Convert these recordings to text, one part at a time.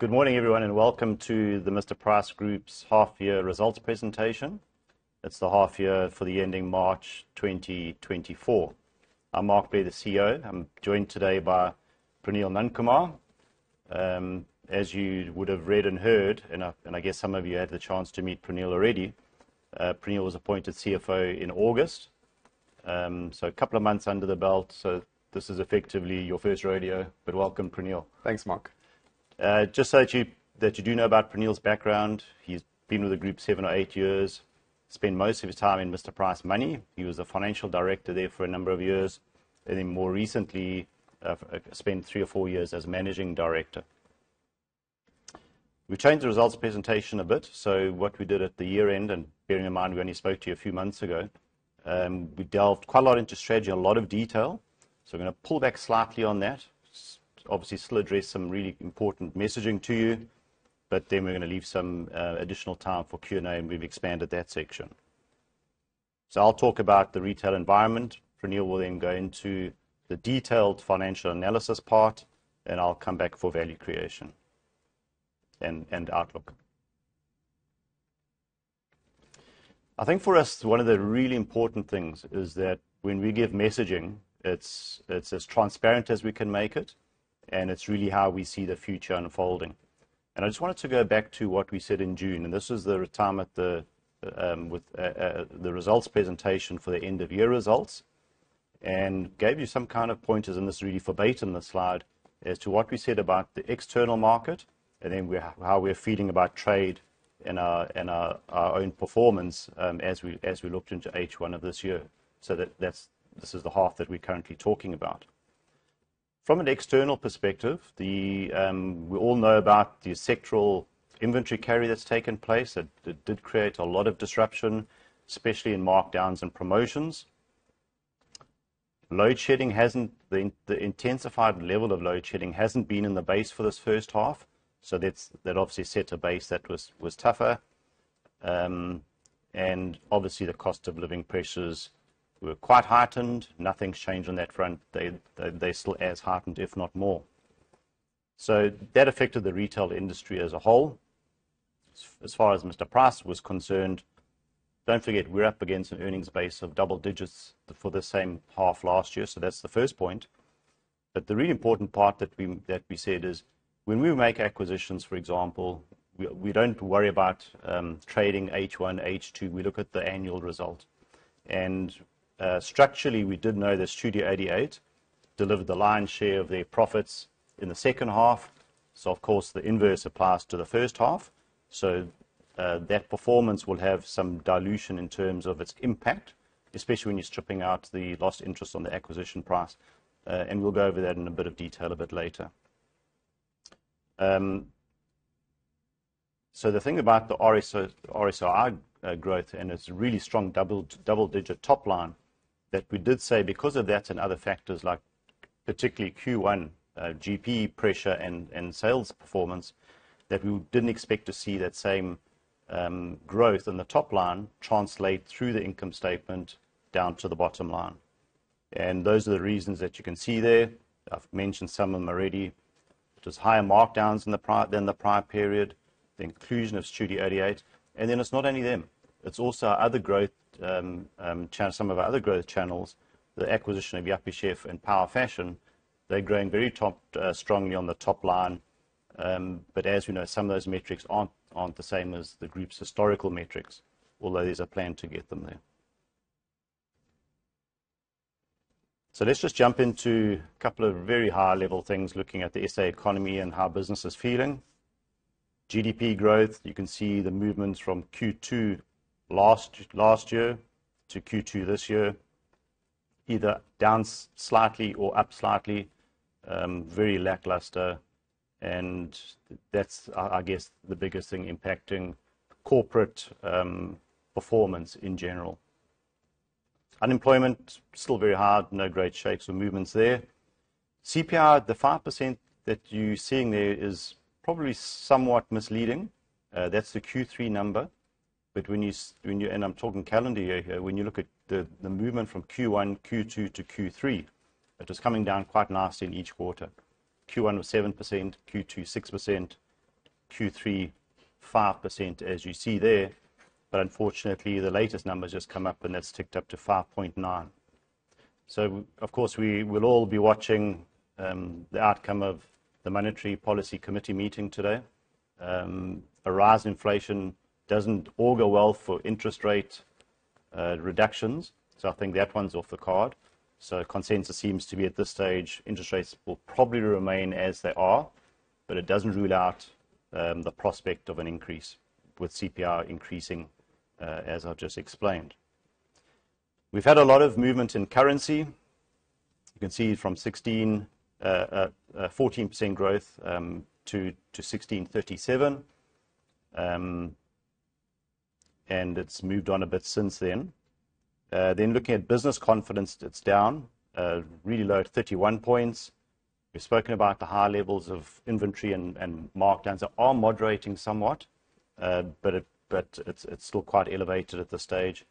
Good morning, everyone, and welcome to the Mr Price Group's half year results presentation. It's the half year for the ending March 2024. I'm Mark Blair, the CEO. I'm joined today by Praneel Nundkumar. As you would have read and heard, I guess some of you had the chance to meet Praneel already, Praneel was appointed CFO in August. A couple of months under the belt. This is effectively your first rodeo, but welcome, Praneel. Thanks, Mark. You do know about Praneel's background, he's been with the group seven or eight years, spent most of his time in Mr Price Money. He was a financial director there for a number of years, more recently, spent three or four years as managing director. We've changed the results presentation a bit. What we did at the year-end, bearing in mind we only spoke to you a few months ago, we delved quite a lot into strategy, a lot of detail. We're going to pull back slightly on that. Obviously still address some really important messaging to you, we're going to leave some additional time for Q&A, and we've expanded that section. I'll talk about the retail environment. Praneel will go into the detailed financial analysis part, I'll come back for value creation and outlook. For us, one of the really important things is that when we give messaging, it's as transparent as we can make it, and it's really how we see the future unfolding. I just wanted to go back to what we said in June, this was the time with the results presentation for the end of year results, gave you some kind of pointers, it's really verbatim the slide, as to what we said about the external market how we're feeling about trade and our own performance as we looked into H1 of this year. This is the half that we're currently talking about. From an external perspective, we all know about the sectoral inventory carry that's taken place. It did create a lot of disruption, especially in markdowns and promotions. The intensified level of load shedding hasn't been in the base for this first half. That obviously set a base that was tougher. Obviously the cost of living pressures were quite heightened. Nothing's changed on that front. They're still as heightened, if not more. That affected the retail industry as a whole. As far as Mr Price was concerned, don't forget, we're up against an earnings base of double digits for the same half last year. That's the first point. The really important part that we said is when we make acquisitions, for example, we don't worry about trading H1, H2. We look at the annual result. Structurally, we did know that Studio 88 delivered the lion's share of their profits in the second half. Of course, the inverse applies to the first half. That performance will have some dilution in terms of its impact, especially when you're stripping out the lost interest on the acquisition price. We'll go over that in a bit of detail a bit later. The thing about the RSRI growth, and it's really strong double digit top line, that we did say because of that and other factors like particularly Q1 GP pressure and sales performance, that we didn't expect to see that same growth in the top line translate through the income statement down to the bottom line. Those are the reasons that you can see there. I've mentioned some of them already, which is higher markdowns than the prior period, the inclusion of Studio 88. Then it's not only them, it's also some of our other growth channels, the acquisition of Yuppiechef and Power Fashion. They're growing very strongly on the top line. As we know, some of those metrics aren't the same as the group's historical metrics, although there's a plan to get them there. Let's just jump into a couple of very high level things looking at the SA economy and how business is feeling. GDP growth, you can see the movements from Q2 last year to Q2 this year, either down slightly or up slightly, very lackluster, and that's I guess the biggest thing impacting corporate performance in general. Unemployment, still very hard, no great shapes or movements there. CPI, the 5% that you're seeing there is probably somewhat misleading. That's the Q3 number. I'm talking calendar year here. When you look at the movement from Q1, Q2 to Q3, it was coming down quite nicely in each quarter. Q1 was 7%, Q2 6%, Q3 5%, as you see there. Unfortunately, the latest numbers just come up and that's ticked up to 5.9. Of course, we will all be watching the outcome of the Monetary Policy Committee meeting today. A rise in inflation doesn't augur well for interest rate reductions. I think that one's off the card. Consensus seems to be at this stage, interest rates will probably remain as they are, but it doesn't rule out the prospect of an increase with CPI increasing, as I've just explained. We've had a lot of movement in currency. You can see from 14% growth to 16.37%, and it's moved on a bit since then. Looking at business confidence, it's down really low at 31 points. We've spoken about the high levels of inventory and markdowns are moderating somewhat. It's still quite elevated at this stage.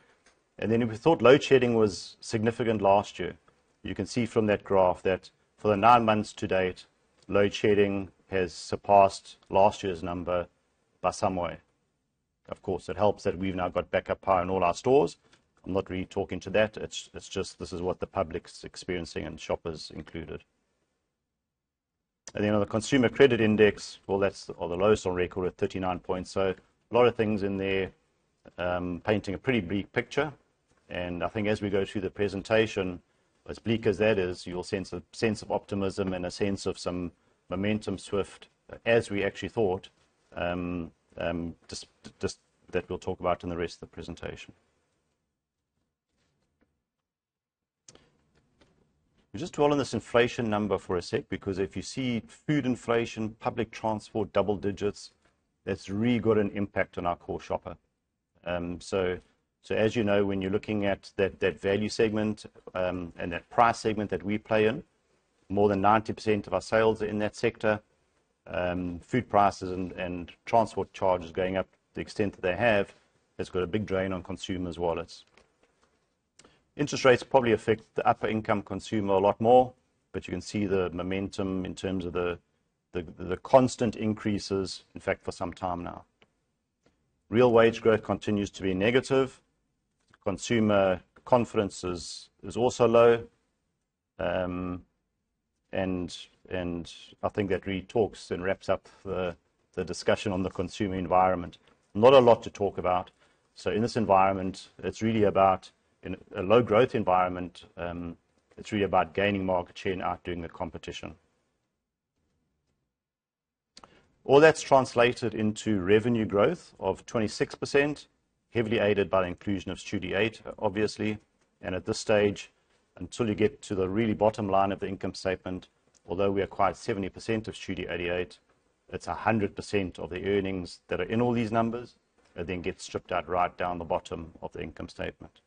If we thought load shedding was significant last year, you can see from that graph that for the 9 months to date, load shedding has surpassed last year's number by some way. Of course, it helps that we've now got backup power in all our stores. I'm not really talking to that. It's just this is what the public's experiencing and shoppers included. On the Consumer Credit Index, well, that's on the lowest on record at 39 points. A lot of things in there painting a pretty bleak picture. I think as we go through the presentation, as bleak as that is, you'll sense a sense of optimism and a sense of some momentum swift as we actually thought, just that we'll talk about in the rest of the presentation. Just dwell on this inflation number for a sec, because if you see food inflation, public transport, double digits, that's really got an impact on our core shopper. As you know, when you're looking at that value segment, and that price segment that we play in, more than 90% of our sales are in that sector. Food prices and transport charges going up to the extent that they have, has got a big drain on consumers' wallets. Interest rates probably affect the upper income consumer a lot more, but you can see the momentum in terms of the constant increases, in fact, for some time now. Real wage growth continues to be negative. Consumer confidence is also low. I think that really talks and wraps up the discussion on the consumer environment. Not a lot to talk about. In this environment, it's really about a low growth environment. It's really about gaining market share and outdoing the competition. All that's translated into revenue growth of 26%, heavily aided by the inclusion of Studio 88, obviously. At this stage, until you get to the really bottom line of the income statement, although we acquired 70% of Studio 88, it's 100% of the earnings that are in all these numbers that then get stripped out right down the bottom of the income statement.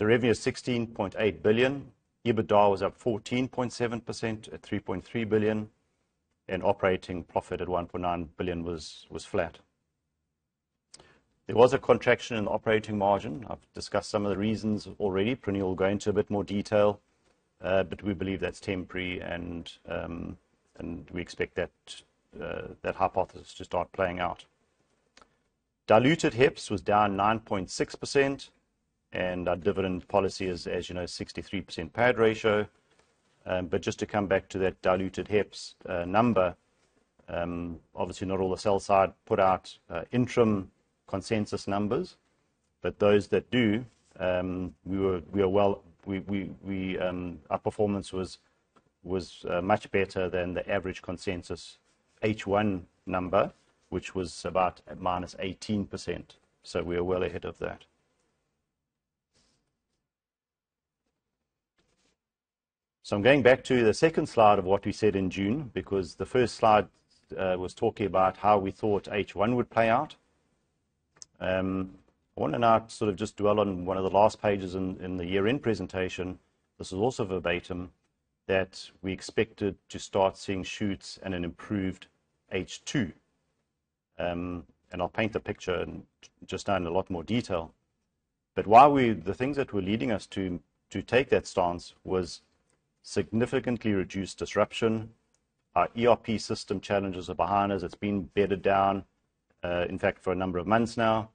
Revenue is 16.8 billion. EBITDA was up 14.7% at 3.3 billion, and operating profit at 1.9 billion was flat. There was a contraction in operating margin. I've discussed some of the reasons already. Praneel will go into a bit more detail, but we believe that's temporary, and we expect that hypothesis to start playing out. Diluted HEPS was down 9.6%, our dividend policy is, as you know, 63% payout ratio. Just to come back to that diluted HEPS number, obviously, not all the sell side put out interim consensus numbers. Those that do, our performance was much better than the average consensus H1 number, which was about -18%. We're well ahead of that. I'm going back to the second slide of what we said in June, because the first slide was talking about how we thought H1 would play out. I want to now sort of just dwell on one of the last pages in the year-end presentation. This is also verbatim that we expected to start seeing shoots and an improved H2. I'll paint the picture just now in a lot more detail. The things that were leading us to take that stance was significantly reduced disruption. Our ERP system challenges are behind us. It's been bedded down, in fact, for a number of months now.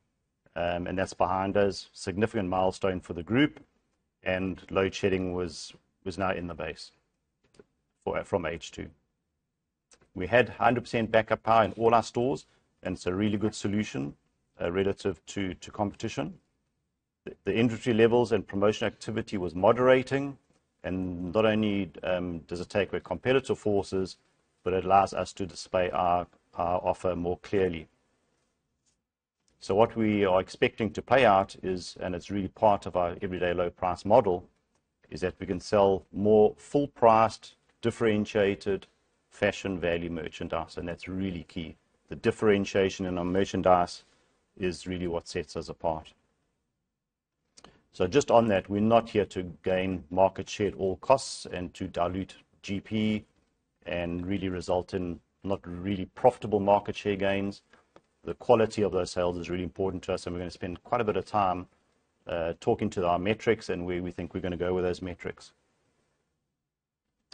That's behind us. Significant milestone for the group, and load shedding was now in the base from H2. We had 100% backup power in all our stores, and it's a really good solution relative to competition. The industry levels and promotion activity was moderating, and not only does it take away competitor forces, but it allows us to display our offer more clearly. What we are expecting to play out is, and it's really part of our everyday low price model, is that we can sell more full-priced, differentiated fashion value merchandise, and that's really key. The differentiation in our merchandise is really what sets us apart. Just on that, we're not here to gain market share at all costs and to dilute GP and really result in not really profitable market share gains. The quality of those sales is really important to us, and we're going to spend quite a bit of time talking to our metrics and where we think we're going to go with those metrics.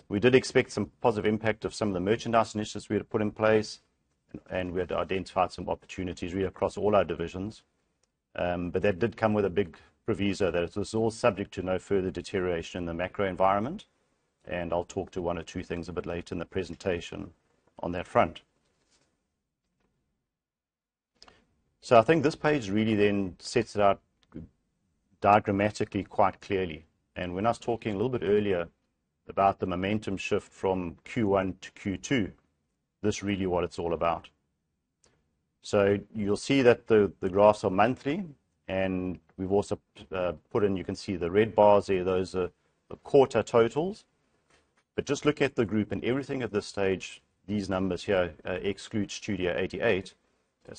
We did expect some positive impact of some of the merchandise initiatives we had put in place, and we had identified some opportunities really across all our divisions. That did come with a big proviso that it was all subject to no further deterioration in the macro environment. I'll talk to one or two things a bit later in the presentation on that front. I think this page really then sets it out diagrammatically quite clearly. When I was talking a little bit earlier about the momentum shift from Q1 to Q2, this is really what it's all about. You'll see that the graphs are monthly, and we've also put in, you can see the red bars there. Those are quarter totals. Just look at the group and everything at this stage, these numbers here exclude Studio 88.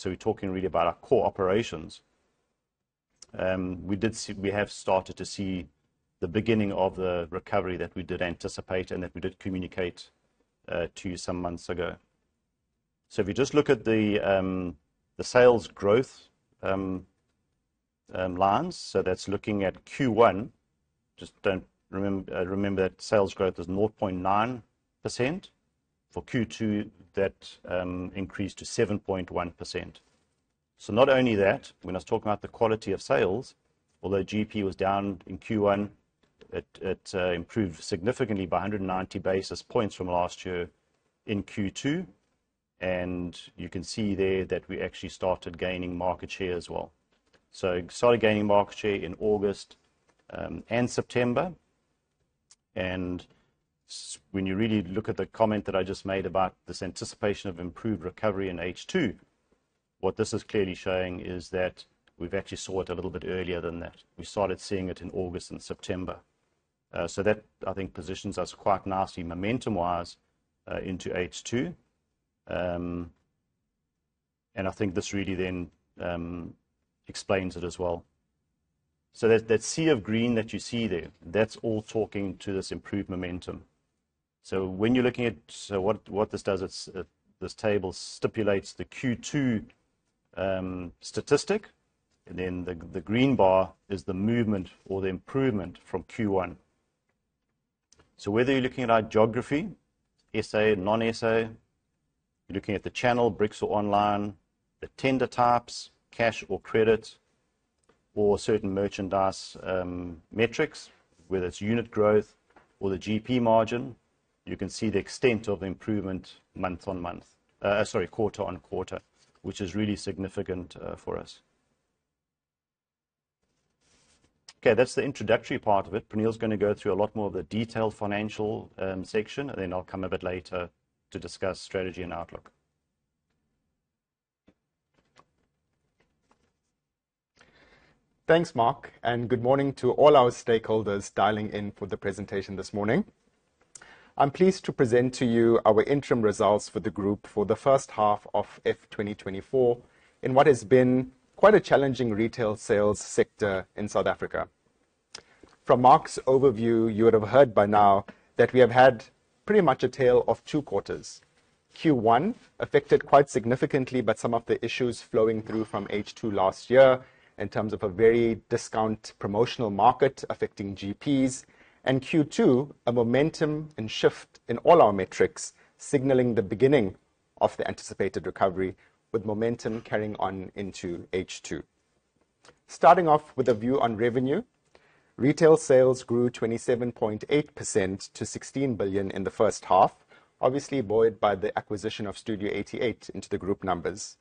We're talking really about our core operations. We have started to see the beginning of the recovery that we did anticipate and that we did communicate to you some months ago. If you just look at the sales growth lines, that's looking at Q1, just remember that sales growth was 0.9%. For Q2, that increased to 7.1%. Not only that, when I was talking about the quality of sales, although GP was down in Q1, it improved significantly by 190 basis points from last year in Q2. You can see there that we actually started gaining market share as well. Started gaining market share in August and September. When you really look at the comment that I just made about this anticipation of improved recovery in H2, what this is clearly showing is that we've actually saw it a little bit earlier than that. We started seeing it in August and September. That I think positions us quite nicely momentum-wise, into H2. I think this really then explains it as well. That sea of green that you see there, that's all talking to this improved momentum. What this does, this table stipulates the Q2 statistic, then the green bar is the movement or the improvement from Q1. Whether you're looking at our geography, SA, non-SA, you're looking at the channel, bricks or online, the tender types, cash or credit, or certain merchandise metrics, whether it's unit growth or the GP margin, you can see the extent of improvement quarter-on-quarter, which is really significant for us. That's the introductory part of it. Praneel's going to go through a lot more of the detailed financial section, then I'll come a bit later to discuss strategy and outlook. Thanks, Mark. Good morning to all our stakeholders dialing in for the presentation this morning. I'm pleased to present to you our interim results for the group for the first half of F 2024, in what has been quite a challenging retail sales sector in South Africa. From Mark's overview, you would have heard by now that we have had pretty much a tale of two quarters. Q1 affected quite significantly by some of the issues flowing through from H2 F2023 in terms of a very discount promotional market affecting GPs, Q2, a momentum and shift in all our metrics signaling the beginning of the anticipated recovery with momentum carrying on into H2 F2024. Starting off with a view on revenue, retail sales grew 27.8% to 16 billion in the first half, obviously buoyed by the acquisition of Studio 88 into the group numbers.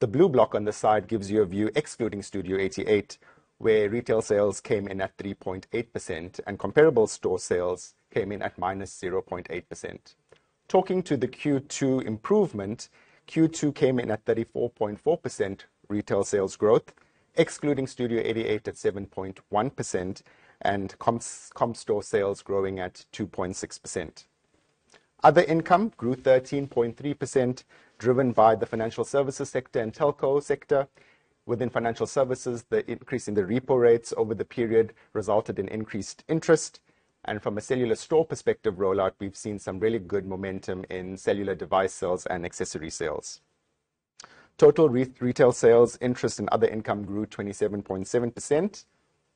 The blue block on the side gives you a view excluding Studio 88, where retail sales came in at 3.8%. Comparable store sales came in at -0.8%. Talking to the Q2 improvement, Q2 came in at 34.4% retail sales growth, excluding Studio 88 at 7.1%. Comp store sales growing at 2.6%. Other income grew 13.3%, driven by the financial services sector, telco sector. Within financial services, the increase in the repo rates over the period resulted in increased interest. From a cellular store perspective rollout, we've seen some really good momentum in cellular device sales and accessory sales. Total retail sales interest and other income grew 27.7%,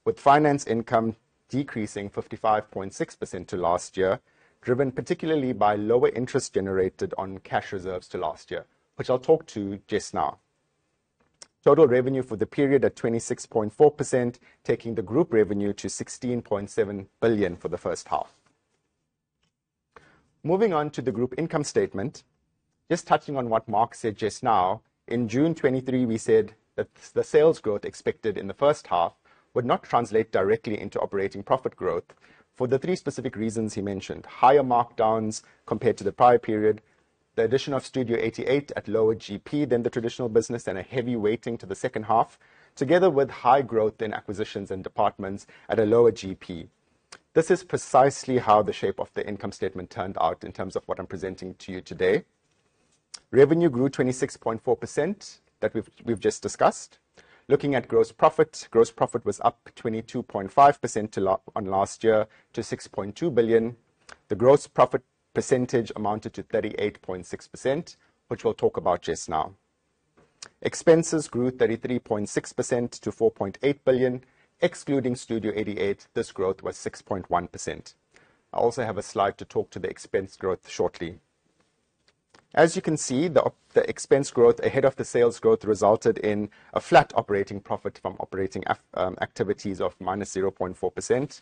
with finance income decreasing 55.6% to 2023, driven particularly by lower interest generated on cash reserves to 2023, which I'll talk to just now. Total revenue for the period at 26.4%, taking the group revenue to 16.7 billion for the first half. Moving on to the group income statement, just touching on what Mark said just now, in June 2023, we said that the sales growth expected in the first half would not translate directly into operating profit growth for the three specific reasons he mentioned, higher markdowns compared to the prior period, the addition of Studio 88 at lower GP than the traditional business, a heavy weighting to the second half, together with high growth in acquisitions and departments at a lower GP. This is precisely how the shape of the income statement turned out in terms of what I'm presenting to you today. Revenue grew 26.4% that we've just discussed. Looking at Gross Profit, Gross Profit was up 22.5% on 2023 to 6.2 billion. The gross profit percentage amounted to 38.6%, which we'll talk about just now. Expenses grew 33.6% to 4.8 billion, excluding Studio 88, this growth was 6.1%. I also have a slide to talk to the expense growth shortly. As you can see, the expense growth ahead of the sales growth resulted in a flat operating profit from operating activities of -0.4%.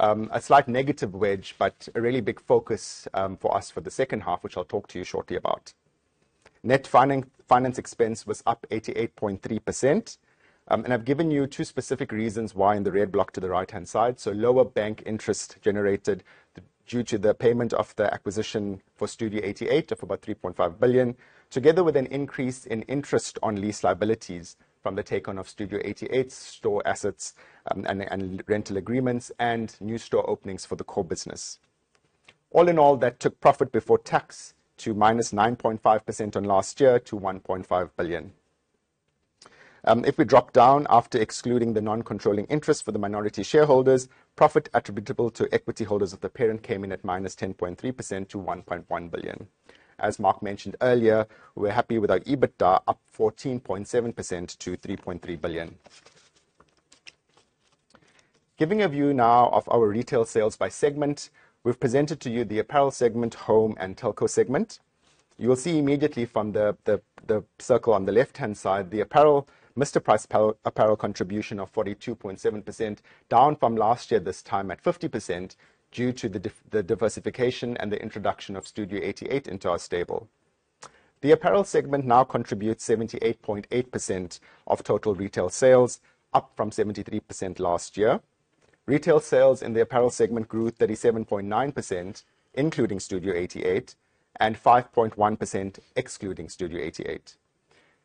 A slight negative wedge, but a really big focus for us for the second half, which I'll talk to you shortly about. I've given you two specific reasons why in the red block to the right-hand side. Lower bank interest generated due to the payment of the acquisition for Studio 88 of about 3.5 billion, together with an increase in interest on lease liabilities from the take on of Studio 88 store assets, and rental agreements and new store openings for the core business. All in all, that took profit before tax to -9.5% on last year to 1.5 billion. If we drop down after excluding the non-controlling interest for the minority shareholders, profit attributable to equity holders of the parent came in at -10.3% to 1.1 billion. As Mark mentioned earlier, we're happy with our EBITDA up 14.7% to 3.3 billion. Giving a view now of our retail sales by segment, we've presented to you the apparel segment, home, and telco segment. You will see immediately from the circle on the left-hand side, the Mr Price Apparel contribution of 42.7%, down from last year, this time at 50% due to the diversification and the introduction of Studio 88 into our stable. The apparel segment now contributes 78.8% of total retail sales, up from 73% last year. Retail sales in the apparel segment grew 37.9%, including Studio 88, and 5.1% excluding Studio 88.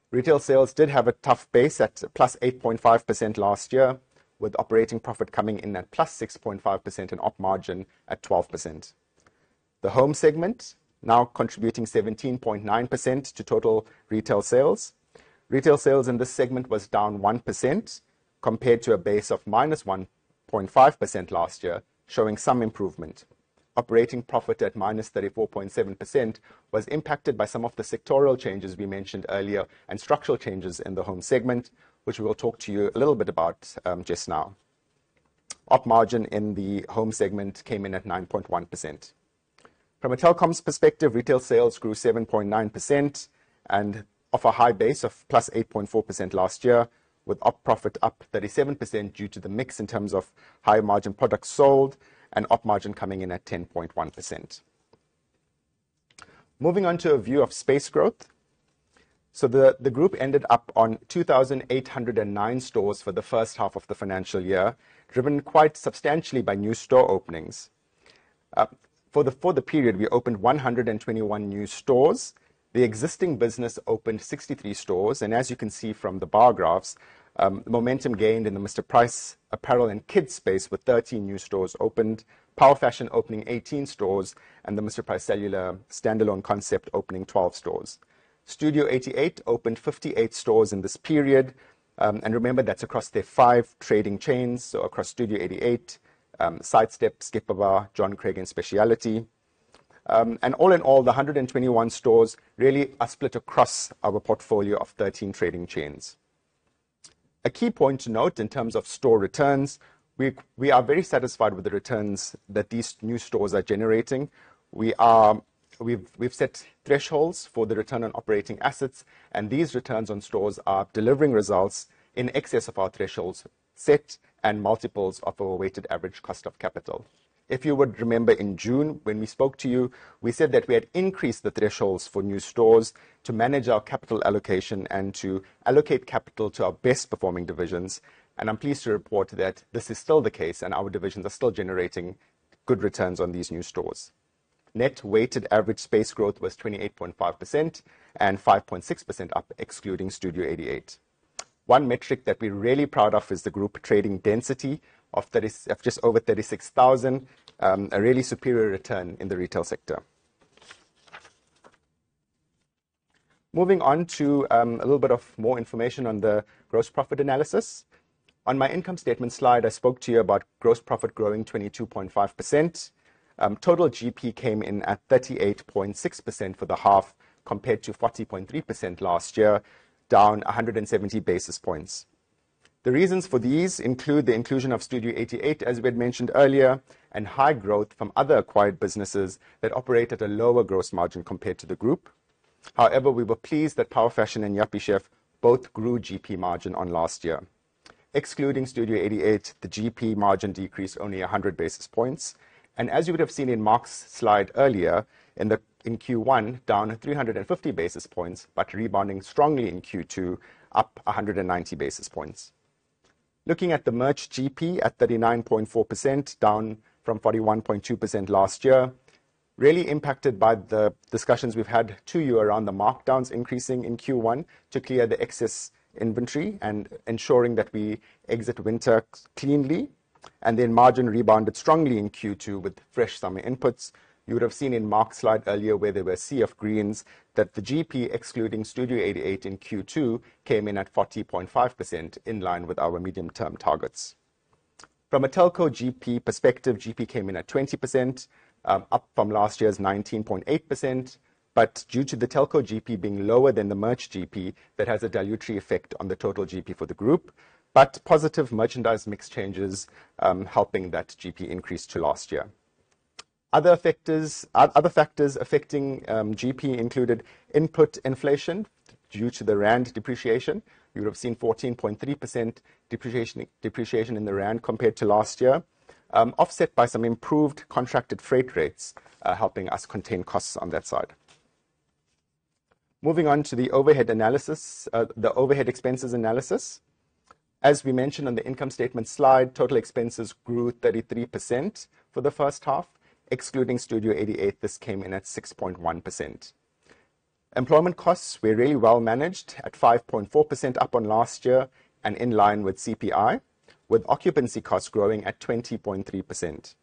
Retail sales did have a tough base at +8.5% last year, with operating profit coming in at +6.5% and op margin at 12%. The home segment, now contributing 17.9% to total retail sales. Retail sales in this segment was down 1% compared to a base of -1.5% last year, showing some improvement. Operating profit at -34.7% was impacted by some of the sectoral changes we mentioned earlier and structural changes in the home segment, which we will talk to you a little bit about just now. Op margin in the home segment came in at 9.1%. From a telecoms perspective, retail sales grew 7.9% and off a high base of +8.4% last year, with op profit up 37% due to the mix in terms of higher margin products sold and op margin coming in at 10.1%. Moving on to a view of space growth. The group ended up on 2,809 stores for the first half of the financial year, driven quite substantially by new store openings. For the period, we opened 121 new stores. The existing business opened 63 stores. As you can see from the bar graphs, momentum gained in the Mr Price Apparel and Mr Price Kids space, with 13 new stores opened, Power Fashion opening 18 stores, and the Mr Price Cellular standalone concept opening 12 stores. Studio 88 opened 58 stores in this period. Remember, that's across their five trading chains, so across Studio 88, Side Step, Skipper Bar, John Craig, and Specialty. All in all, the 121 stores really are split across our portfolio of 13 trading chains. A key point to note in terms of store returns, we are very satisfied with the returns that these new stores are generating. We've set thresholds for the return on operating assets, and these returns on stores are delivering results in excess of our thresholds set and multiples of our weighted average cost of capital. If you would remember in June when we spoke to you, we said that we had increased the thresholds for new stores to manage our capital allocation and to allocate capital to our best performing divisions. I'm pleased to report that this is still the case and our divisions are still generating good returns on these new stores. Net weighted average space growth was 28.5% and 5.6% up excluding Studio 88. One metric that we're really proud of is the group trading density of just over 36,000, a really superior return in the retail sector. Moving on to a little bit of more information on the gross profit analysis. On my income statement slide, I spoke to you about gross profit growing 22.5%. Total GP came in at 38.6% for the half, compared to 40.3% last year, down 170 basis points. The reasons for these include the inclusion of Studio 88, as we had mentioned earlier, and high growth from other acquired businesses that operate at a lower gross margin compared to the group. However, we were pleased that Power Fashion and Yuppiechef both grew GP margin on last year. Excluding Studio 88, the GP margin decreased only 100 basis points. As you would have seen in Mark's slide earlier, in Q1, down 350 basis points, but rebounding strongly in Q2, up 190 basis points. Looking at the merch GP at 39.4%, down from 41.2% last year, really impacted by the discussions we've had to you around the markdowns increasing in Q1 to clear the excess inventory and ensuring that we exit winter cleanly. Margin rebounded strongly in Q2 with fresh summer inputs. You would have seen in Mark's slide earlier where there were sea of greens, that the GP excluding Studio 88 in Q2 came in at 40.5%, in line with our medium-term targets. From a telco GP perspective, GP came in at 20%, up from last year's 19.8%. Due to the telco GP being lower than the merch GP, that has a dilutive effect on the total GP for the group. Positive merchandise mix changes helping that GP increase to last year. Other factors affecting GP included input inflation due to the rand depreciation. You would have seen 14.3% depreciation in the rand compared to last year, offset by some improved contracted freight rates, helping us contain costs on that side. Moving on to the overhead expenses analysis. As we mentioned on the income statement slide, total expenses grew 33% for the first half. Excluding Studio 88, this came in at 6.1%. Employment costs were really well managed at 5.4% up on last year and in line with CPI, with occupancy costs growing at 20.3%.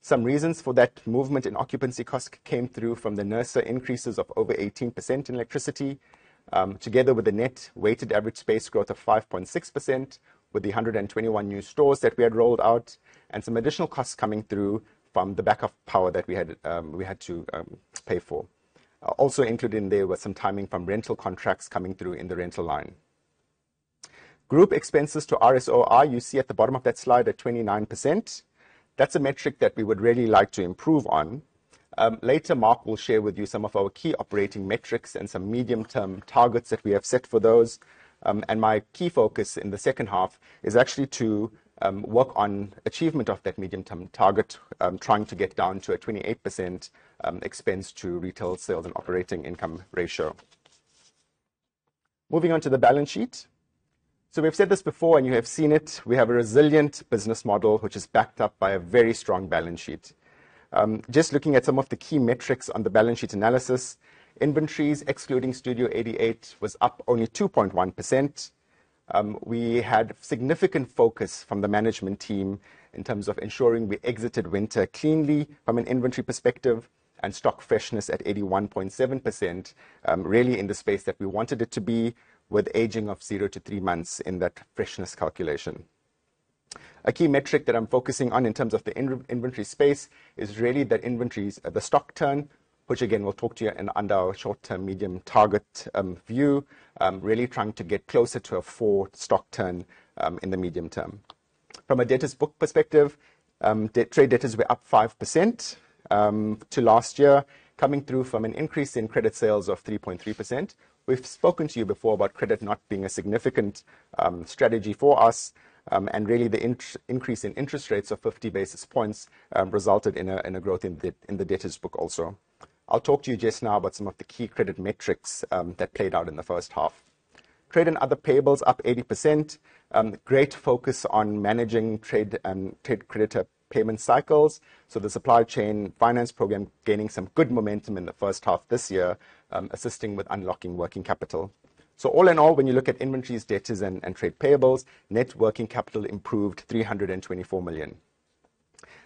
Some reasons for that movement in occupancy cost came through from the NERSA increases of over 18% in electricity, together with the net weighted average space growth of 5.6% with the 121 new stores that we had rolled out, and some additional costs coming through from the backup power that we had to pay for. Also included in there were some timing from rental contracts coming through in the rental line. Group expenses to RSOR, you see at the bottom of that slide at 29%. That's a metric that we would really like to improve on. Later, Mark will share with you some of our key operating metrics and some medium-term targets that we have set for those. My key focus in the second half is actually to work on achievement of that medium-term target, trying to get down to a 28% expense to retail sales and operating income ratio. Moving on to the balance sheet. We've said this before and you have seen it, we have a resilient business model, which is backed up by a very strong balance sheet. Just looking at some of the key metrics on the balance sheet analysis, inventories excluding Studio 88 was up only 2.1%. We had significant focus from the management team in terms of ensuring we exited winter cleanly from an inventory perspective, and stock freshness at 81.7%, really in the space that we wanted it to be with aging of zero to three months in that freshness calculation. A key metric that I'm focusing on in terms of the inventory space is really that inventories, the stock turn, which again, we'll talk to you under our short-term, medium target view, really trying to get closer to a four stock turn in the medium term. From a debtors book perspective, trade debtors were up 5% to last year, coming through from an increase in credit sales of 3.3%. We've spoken to you before about credit not being a significant strategy for us, and really the increase in interest rates of 50 basis points resulted in a growth in the debtors book also. I'll talk to you just now about some of the key credit metrics that played out in the first half. Trade and other payables up 80%. Great focus on managing trade creditor payment cycles. The supply chain finance program gaining some good momentum in the first half this year, assisting with unlocking working capital. All in all, when you look at inventories, debtors, and trade payables, net working capital improved 324 million.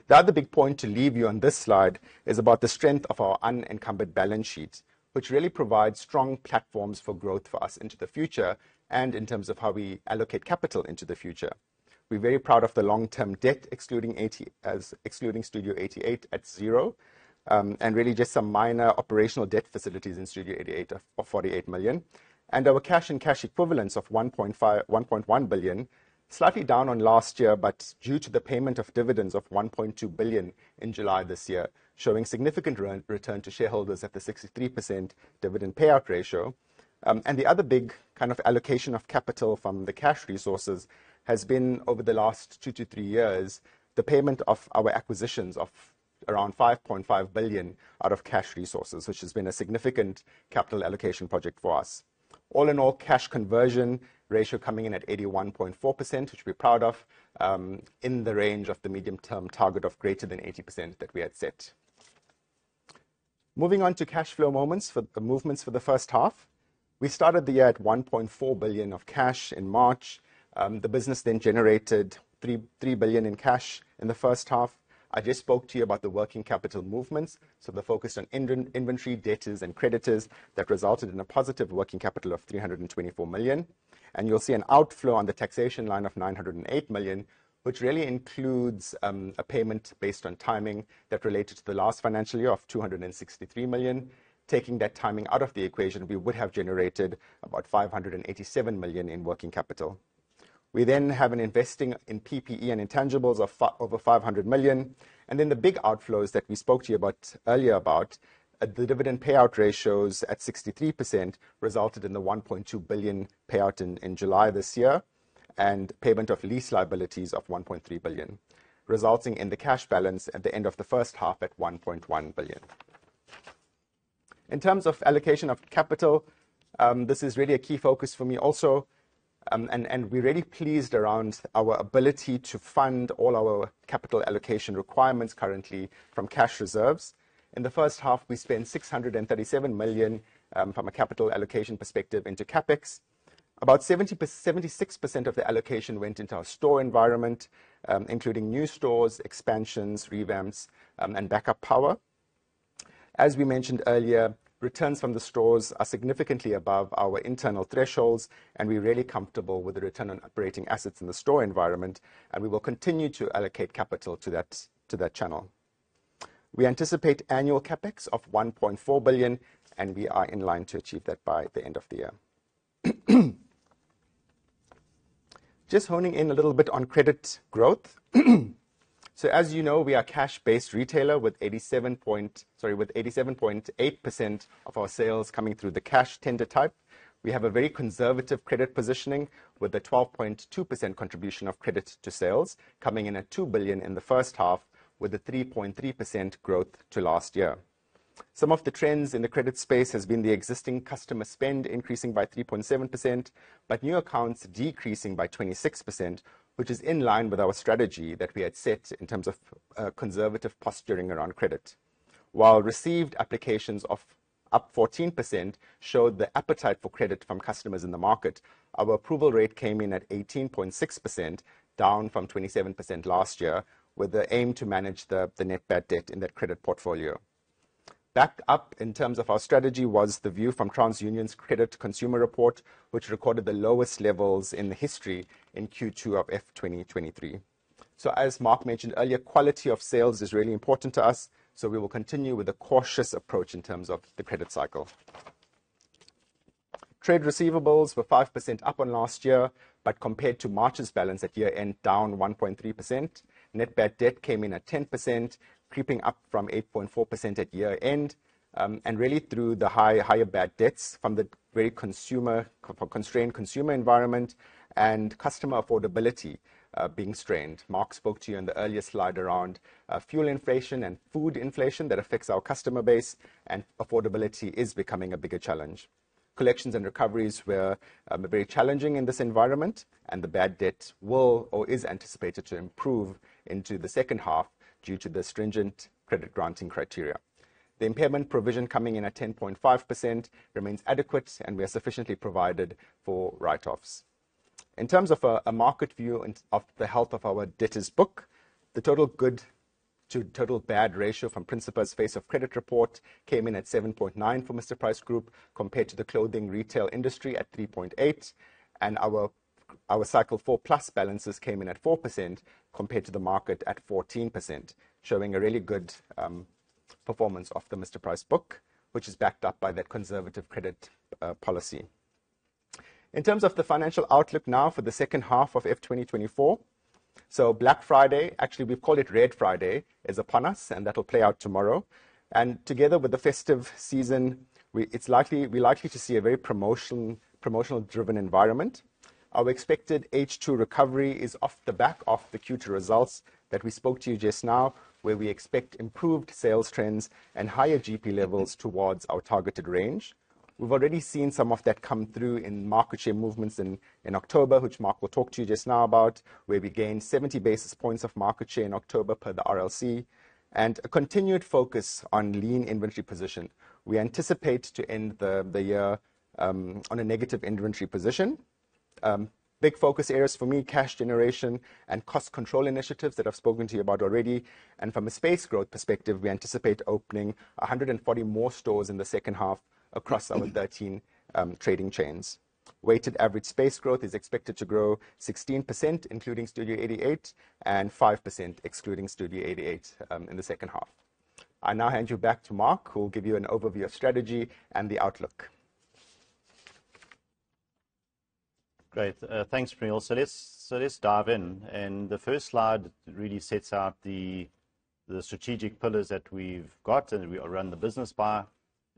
The other big point to leave you on this slide is about the strength of our unencumbered balance sheet, which really provides strong platforms for growth for us into the future and in terms of how we allocate capital into the future. We're very proud of the long-term debt, excluding Studio 88 at zero, and really just some minor operational debt facilities in Studio 88 of 48 million, and our cash and cash equivalents of 1.1 billion, slightly down on last year, but due to the payment of dividends of 1.2 billion in July this year, showing significant return to shareholders at the 63% dividend payout ratio. The other big kind of allocation of capital from the cash resources has been over the last 2 to 3 years, the payment of our acquisitions of around 5.5 billion out of cash resources, which has been a significant capital allocation project for us. All in all, cash conversion ratio coming in at 81.4%, which we're proud of, in the range of the medium-term target of greater than 80% that we had set. Moving on to cash flow movements for the first half. We started the year at 1.4 billion of cash in March. The business then generated 3 billion in cash in the first half. I just spoke to you about the working capital movements, so the focus on inventory debtors and creditors that resulted in a positive working capital of 324 million. You'll see an outflow on the taxation line of 908 million, which really includes a payment based on timing that related to the last financial year of 263 million. Taking that timing out of the equation, we would have generated about 587 million in working capital. We then have an investing in PPE and intangibles of over 500 million. The big outflows that we spoke to you earlier about, the dividend payout ratios at 63% resulted in the 1.2 billion payout in July this year, and payment of lease liabilities of 1.3 billion, resulting in the cash balance at the end of the first half at 1.1 billion. In terms of allocation of capital, this is really a key focus for me also, and we're really pleased around our ability to fund all our capital allocation requirements currently from cash reserves. In the first half, we spent 637 million from a capital allocation perspective into CapEx. About 76% of the allocation went into our store environment, including new stores, expansions, revamps, and backup power. As we mentioned earlier, returns from the stores are significantly above our internal thresholds, and we're really comfortable with the return on operating assets in the store environment, and we will continue to allocate capital to that channel. We anticipate annual CapEx of 1.4 billion, and we are in line to achieve that by the end of the year. Just honing in a little bit on credit growth. As you know, we are a cash-based retailer with 87.8% of our sales coming through the cash tender type. We have a very conservative credit positioning with a 12.2% contribution of credit to sales, coming in at 2 billion in the first half with a 3.3% growth to last year. Some of the trends in the credit space has been the existing customer spend increasing by 3.7%, but new accounts decreasing by 26%, which is in line with our strategy that we had set in terms of conservative posturing around credit. While received applications of up 14% showed the appetite for credit from customers in the market, our approval rate came in at 18.6%, down from 27% last year, with the aim to manage the net bad debt in that credit portfolio. Backed up in terms of our strategy was the view from TransUnion's Credit Consumer Report, which recorded the lowest levels in the history in Q2 of F2023. As Mark mentioned earlier, quality of sales is really important to us. We will continue with a cautious approach in terms of the credit cycle. Trade receivables were 5% up on last year, but compared to March's balance at year-end, down 1.3%. Net bad debt came in at 10%, creeping up from 8.4% at year-end, and really through the higher bad debts from the very constrained consumer environment and customer affordability being strained. Mark spoke to you in the earlier slide around fuel inflation and food inflation that affects our customer base. Affordability is becoming a bigger challenge. Collections and recoveries were very challenging in this environment, and the bad debt will or is anticipated to improve into the second half due to the stringent credit granting criteria. The impairment provision coming in at 10.5% remains adequate, and we are sufficiently provided for write-offs. In terms of a market view of the health of our debtors book, the total good to total bad ratio from Principa's Face of Credit Report came in at 7.9 for Mr Price Group, compared to the clothing retail industry at 3.8. Our Cycle 4 plus balances came in at 4%, compared to the market at 14%, showing a really good performance of the Mr Price book, which is backed up by that conservative credit policy. In terms of the financial outlook now for the second half of F2024. Black Friday, actually, we call it Red Friday, is upon us, and that will play out tomorrow. Together with the festive season, we are likely to see a very promotional-driven environment. Our expected H2 recovery is off the back of the Q2 results that we spoke to you just now, where we expect improved sales trends and higher GP levels towards our targeted range. We have already seen some of that come through in market share movements in October, which Mark will talk to you just now about, where we gained 70 basis points of market share in October per the RLC, and a continued focus on lean inventory position. We anticipate to end the year on a negative inventory position. Big focus areas for me, cash generation and cost control initiatives that I have spoken to you about already. From a space growth perspective, we anticipate opening 140 more stores in the second half across our 13 trading chains. Weighted average space growth is expected to grow 16%, including Studio 88, and 5% excluding Studio 88 in the second half. I now hand you back to Mark, who will give you an overview of strategy and the outlook. Great. Thanks, Praneel. Let's dive in. The first slide really sets out the strategic pillars that we've got and that we run the business by.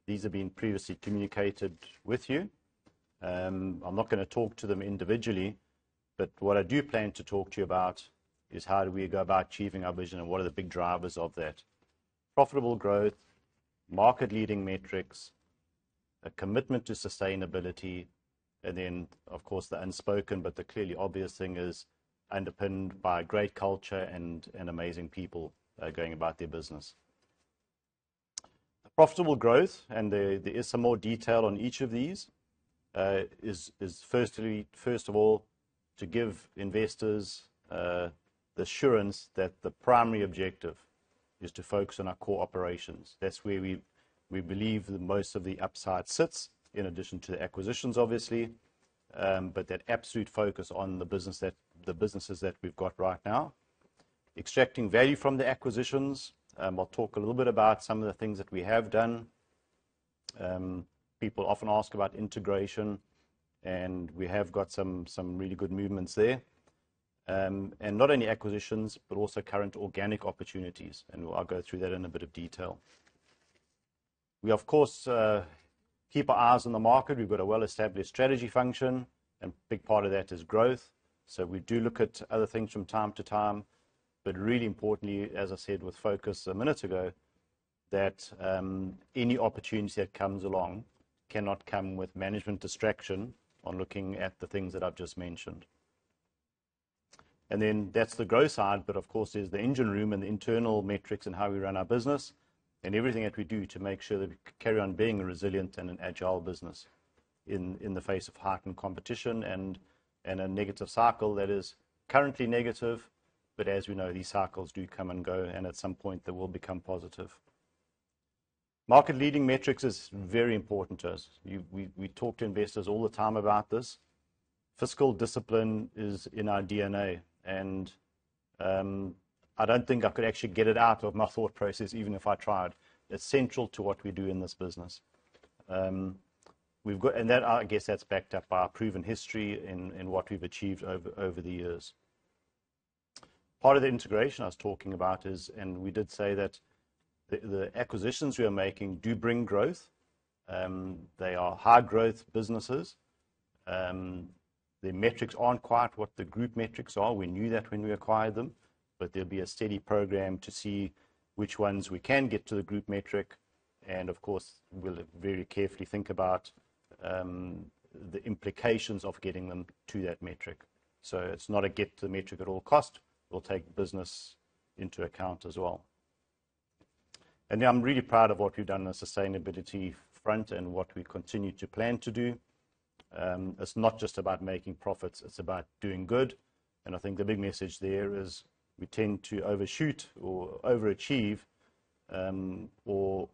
These have been previously communicated with you. I'm not going to talk to them individually, but what I do plan to talk to you about is how do we go about achieving our vision and what are the big drivers of that. Profitable growth, market-leading metrics, a commitment to sustainability, and then, of course, the unspoken, but the clearly obvious thing is underpinned by great culture and amazing people going about their business. Profitable growth, and there is some more detail on each of these, is first of all, to give investors the assurance that the primary objective is to focus on our core operations. That's where we believe that most of the upside sits, in addition to the acquisitions, obviously, but that absolute focus on the businesses that we've got right now. Extracting value from the acquisitions. I'll talk a little bit about some of the things that we have done. People often ask about integration, and we have got some really good movements there. Not only acquisitions, but also current organic opportunities, and I'll go through that in a bit of detail. We, of course, keep our eyes on the market. We've got a well-established strategy function, and big part of that is growth. We do look at other things from time to time. Really importantly, as I said with focus a minute ago, that any opportunity that comes along cannot come with management distraction on looking at the things that I've just mentioned. That's the growth side, but of course, there's the engine room and the internal metrics and how we run our business and everything that we do to make sure that we carry on being a resilient and an agile business in the face of heightened competition and a negative cycle that is currently negative, but as we know, these cycles do come and go, and at some point they will become positive. Market-leading metrics is very important to us. We talk to investors all the time about this. Fiscal discipline is in our DNA, and I don't think I could actually get it out of my thought process even if I tried. It's central to what we do in this business. I guess that's backed up by our proven history in what we've achieved over the years. Part of the integration I was talking about is, and we did say that the acquisitions we are making do bring growth. They are high-growth businesses. Their metrics aren't quite what the group metrics are. We knew that when we acquired them, but there'll be a steady program to see which ones we can get to the group metric. Of course, we'll very carefully think about the implications of getting them to that metric. It's not a get the metric at all costs. We'll take business into account as well. Now I'm really proud of what we've done on the sustainability front and what we continue to plan to do. It's not just about making profits, it's about doing good. I think the big message there is we tend to overshoot or overachieve, or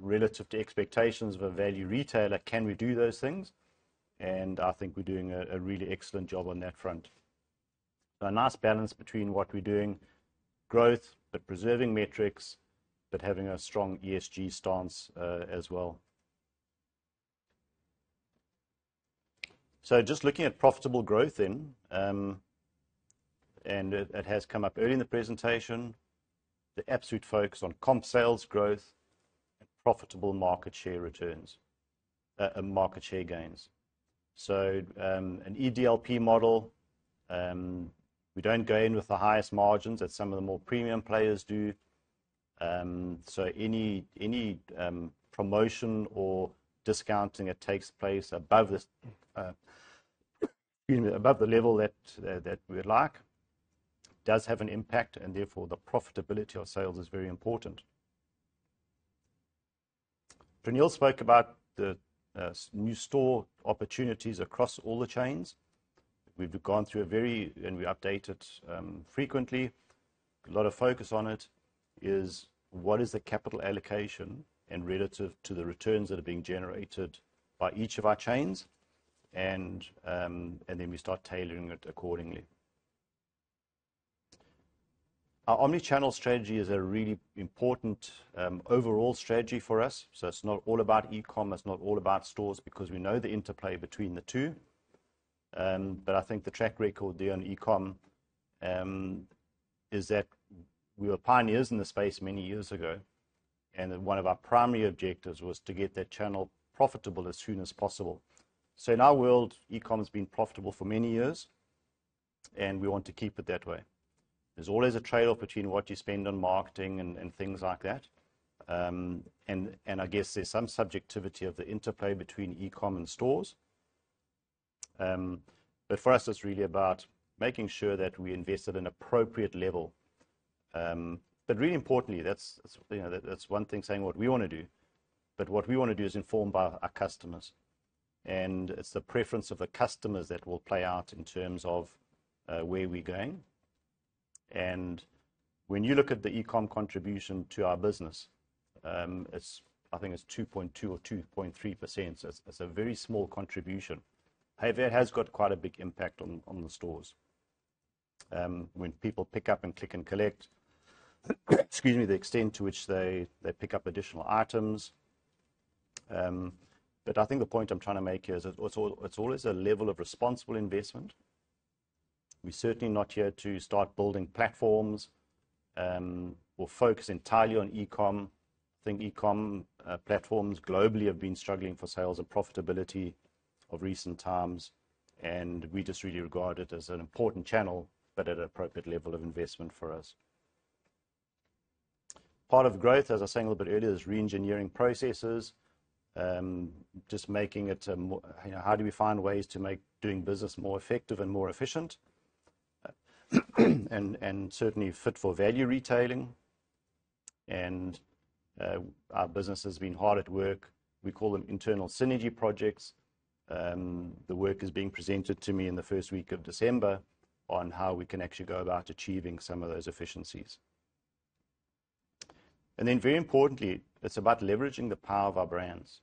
relative to expectations of a value retailer, can we do those things? I think we're doing a really excellent job on that front. A nice balance between what we're doing, growth, but preserving metrics, but having a strong ESG stance as well. Just looking at profitable growth then, it has come up early in the presentation, the absolute focus on comp sales growth and profitable market share returns, market share gains. An EDLP model, we don't go in with the highest margins that some of the more premium players do. Any promotion or discounting that takes place above the level that we'd like does have an impact, and therefore the profitability of sales is very important. Praneel spoke about the new store opportunities across all the chains. We update it frequently. A lot of focus on it is what is the capital allocation and relative to the returns that are being generated by each of our chains, and then we start tailoring it accordingly. Our omnichannel strategy is a really important overall strategy for us. It's not all about e-com, not all about stores, because we know the interplay between the two. I think the track record there on e-com is that we were pioneers in the space many years ago, and that one of our primary objectives was to get that channel profitable as soon as possible. In our world, e-com's been profitable for many years, and we want to keep it that way. There's always a trade-off between what you spend on marketing and things like that. I guess there's some subjectivity of the interplay between e-com and stores. For us, it's really about making sure that we invest at an appropriate level. Really importantly, that's one thing saying what we want to do, what we want to do is informed by our customers, and it's the preference of the customers that will play out in terms of where we're going. When you look at the e-com contribution to our business, I think it's 2.2% or 2.3%. It's a very small contribution. However, it has got quite a big impact on the stores. When people pick up and click and collect, excuse me, the extent to which they pick up additional items. I think the point I'm trying to make here is it's always a level of responsible investment. We're certainly not here to start building platforms or focus entirely on e-com. I think e-com platforms globally have been struggling for sales and profitability of recent times, and we just really regard it as an important channel, but at an appropriate level of investment for us. Part of growth, as I was saying a little bit earlier, is re-engineering processes. Just making it, how do we find ways to make doing business more effective and more efficient? Certainly fit for value retailing. Our business has been hard at work. We call them internal synergy projects. The work is being presented to me in the first week of December on how we can actually go about achieving some of those efficiencies. Very importantly, it's about leveraging the power of our brands.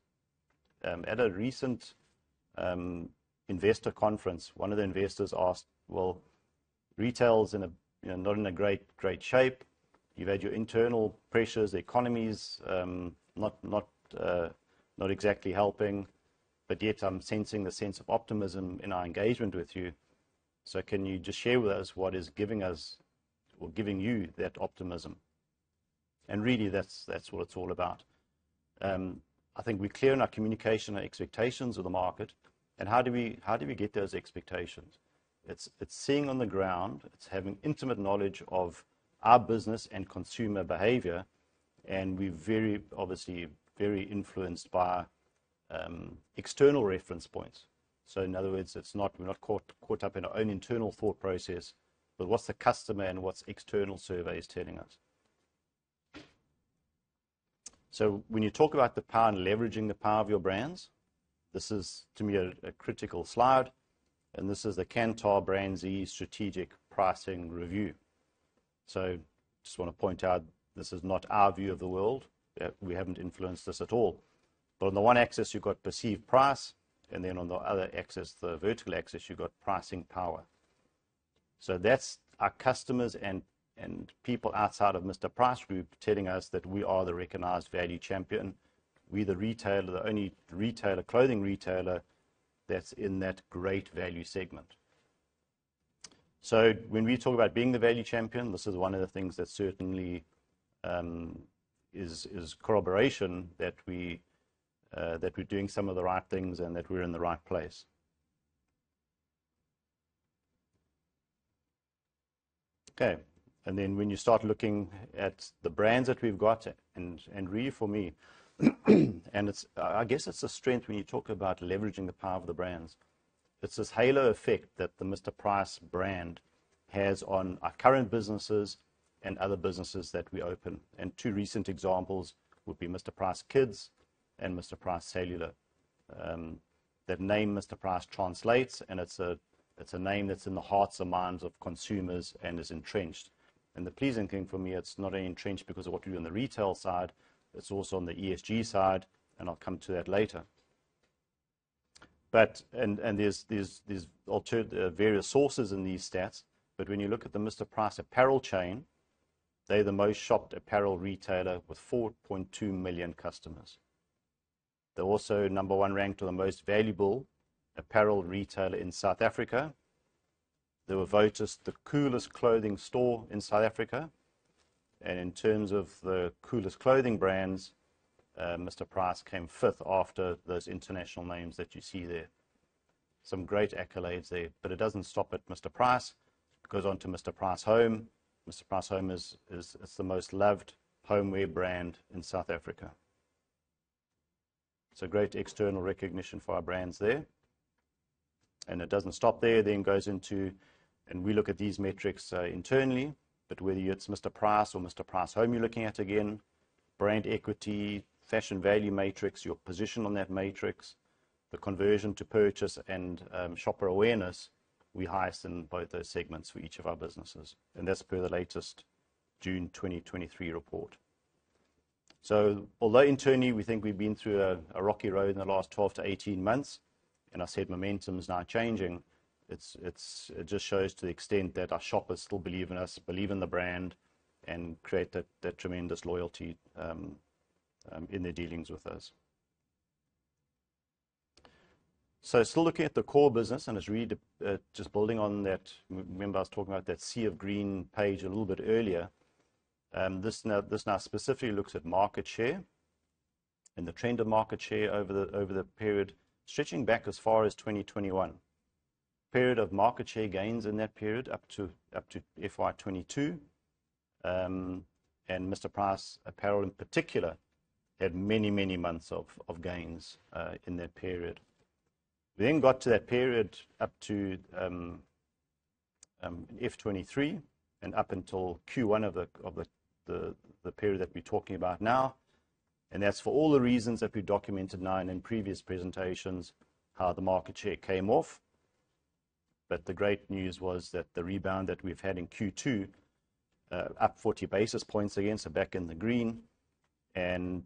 At a recent investor conference, one of the investors asked, "Retail's not in a great shape. You've had your internal pressures, the economy's not exactly helping, but yet I'm sensing the sense of optimism in our engagement with you. Can you just share with us what is giving us or giving you that optimism?" Really that's what it's all about. I think we're clear in our communication, our expectations of the market, and how do we get those expectations? It's seeing on the ground. It's having intimate knowledge of our business and consumer behavior, and we're very, obviously, very influenced by external reference points. In other words, we're not caught up in our own internal thought process, but what's the customer and what's external surveys telling us? When you talk about the power and leveraging the power of your brands, this is to me, a critical slide, and this is the Kantar BrandZ Strategic Pricing Review. Just want to point out, this is not our view of the world. We haven't influenced this at all. On the one axis, you've got perceived price, and then on the other axis, the vertical axis, you've got pricing power. That's our customers and people outside of Mr Price Group telling us that we are the recognized value champion. We're the retailer, the only retailer, clothing retailer that's in that great value segment. When we talk about being the value champion, this is one of the things that certainly is corroboration that we're doing some of the right things and that we're in the right place. Okay. When you start looking at the brands that we've got, really for me, I guess it's a strength when you talk about leveraging the power of the brands. It's this halo effect that the Mr Price brand has on our current businesses and other businesses that we open. Two recent examples would be Mr Price Kids and Mr Price Cellular. That name, Mr Price translates, it's a name that's in the hearts and minds of consumers and is entrenched. The pleasing thing for me, it's not only entrenched because of what we do on the retail side, it's also on the ESG side, and I'll come to that later. There's various sources in these stats, but when you look at the Mr Price Apparel chain, they're the most shopped apparel retailer with 4.2 million customers. They're also number 1 ranked the most valuable apparel retailer in South Africa. They were voted the coolest clothing store in South Africa. In terms of the coolest clothing brands, Mr Price came fifth after those international names that you see there. Some great accolades there, but it doesn't stop at Mr Price. It goes on to Mr Price Home. Mr Price Home is the most loved homeware brand in South Africa. It doesn't stop there. We look at these metrics internally, but whether it's Mr Price or Mr Price Home you're looking at, again, brand equity, fashion value matrix, your position on that matrix, the conversion to purchase and shopper awareness, we highest in both those segments for each of our businesses, and that's per the latest June 2023 report. Although internally, we think we've been through a rocky road in the last 12 to 18 months, I said momentum is now changing. It just shows to the extent that our shoppers still believe in us, believe in the brand, and create that tremendous loyalty in their dealings with us. Still looking at the core business and it's really just building on that. Remember I was talking about that sea of green page a little bit earlier. This now specifically looks at market share and the trend of market share over the period stretching back as far as 2021. Period of market share gains in that period up to FY 2022. Mr Price Apparel in particular, had many, many months of gains in that period. We then got to that period up to F2023 and up until Q1 of the period that we're talking about now. That's for all the reasons that we documented now and in previous presentations how the market share came off. The great news was that the rebound that we've had in Q2, up 40 basis points again, back in the green.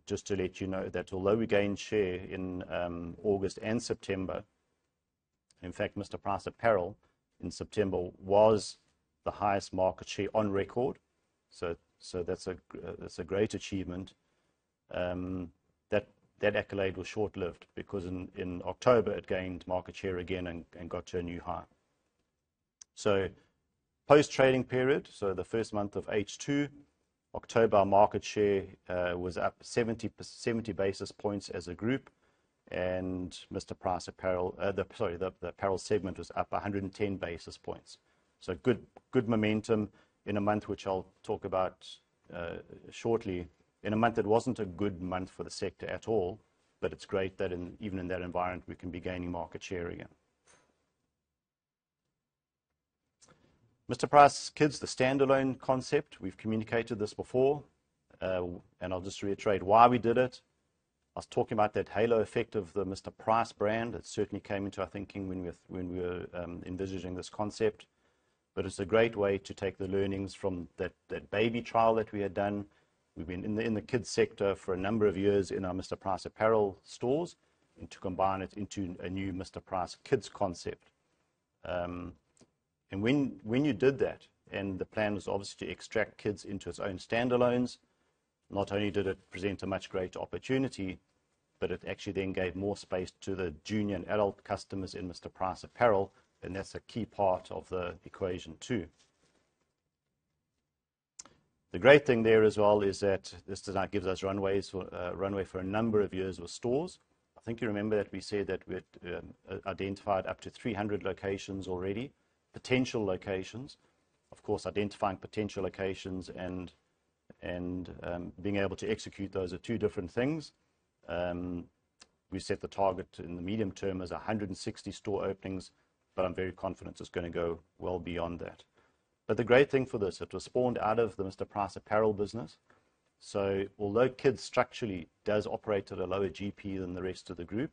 Just to let you know that although we gained share in August and September, in fact, Mr Price Apparel in September was the highest market share on record. That's a great achievement. That accolade was short-lived because in October it gained market share again and got to a new high. Post-trading period, the first month of H2, October, our market share was up 70 basis points as a group and Mr Price Apparel, sorry, the apparel segment was up 110 basis points. Good momentum in a month, which I'll talk about shortly, in a month that wasn't a good month for the sector at all. It's great that even in that environment, we can be gaining market share again. Mr Price Kids, the standalone concept, we've communicated this before, I'll just reiterate why we did it. I was talking about that halo effect of the Mr Price brand. That certainly came into our thinking when we were envisaging this concept. It's a great way to take the learnings from that baby trial that we had done. We've been in the kids sector for a number of years in our Mr Price Apparel stores, and to combine it into a new Mr Price Kids concept. When you did that, the plan was obviously to extract kids into its own standalones, not only did it present a much greater opportunity, it actually then gave more space to the junior and adult customers in Mr Price Apparel, that's a key part of the equation too. The great thing there as well is that this now gives us runway for a number of years with stores. I think you remember that we said that we had identified up to 300 locations already. Potential locations. Of course, identifying potential locations and being able to execute those are two different things. We set the target in the medium term as 160 store openings, I'm very confident it's going to go well beyond that. The great thing for this, it was spawned out of the Mr Price Apparel business. Although kids structurally does operate at a lower GP than the rest of the group,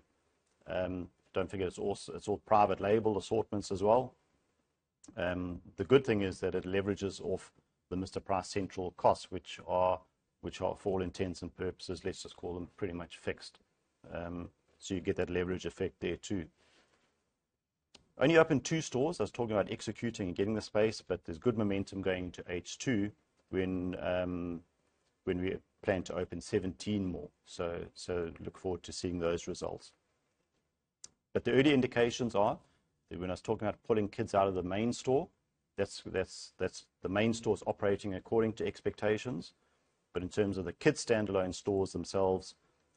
don't forget it's all private label assortments as well. The good thing is that it leverages off the Mr Price central costs, which are for all intents and purposes, let's just call them pretty much fixed. You get that leverage effect there too. Only opened two stores. I was talking about executing and getting the space, but there's good momentum going to H2 when we plan to open 17 more. Look forward to seeing those results. The early indications are that when I was talking about pulling kids out of the main store, the main store's operating according to expectations. In terms of the kids' standalone stores themselves,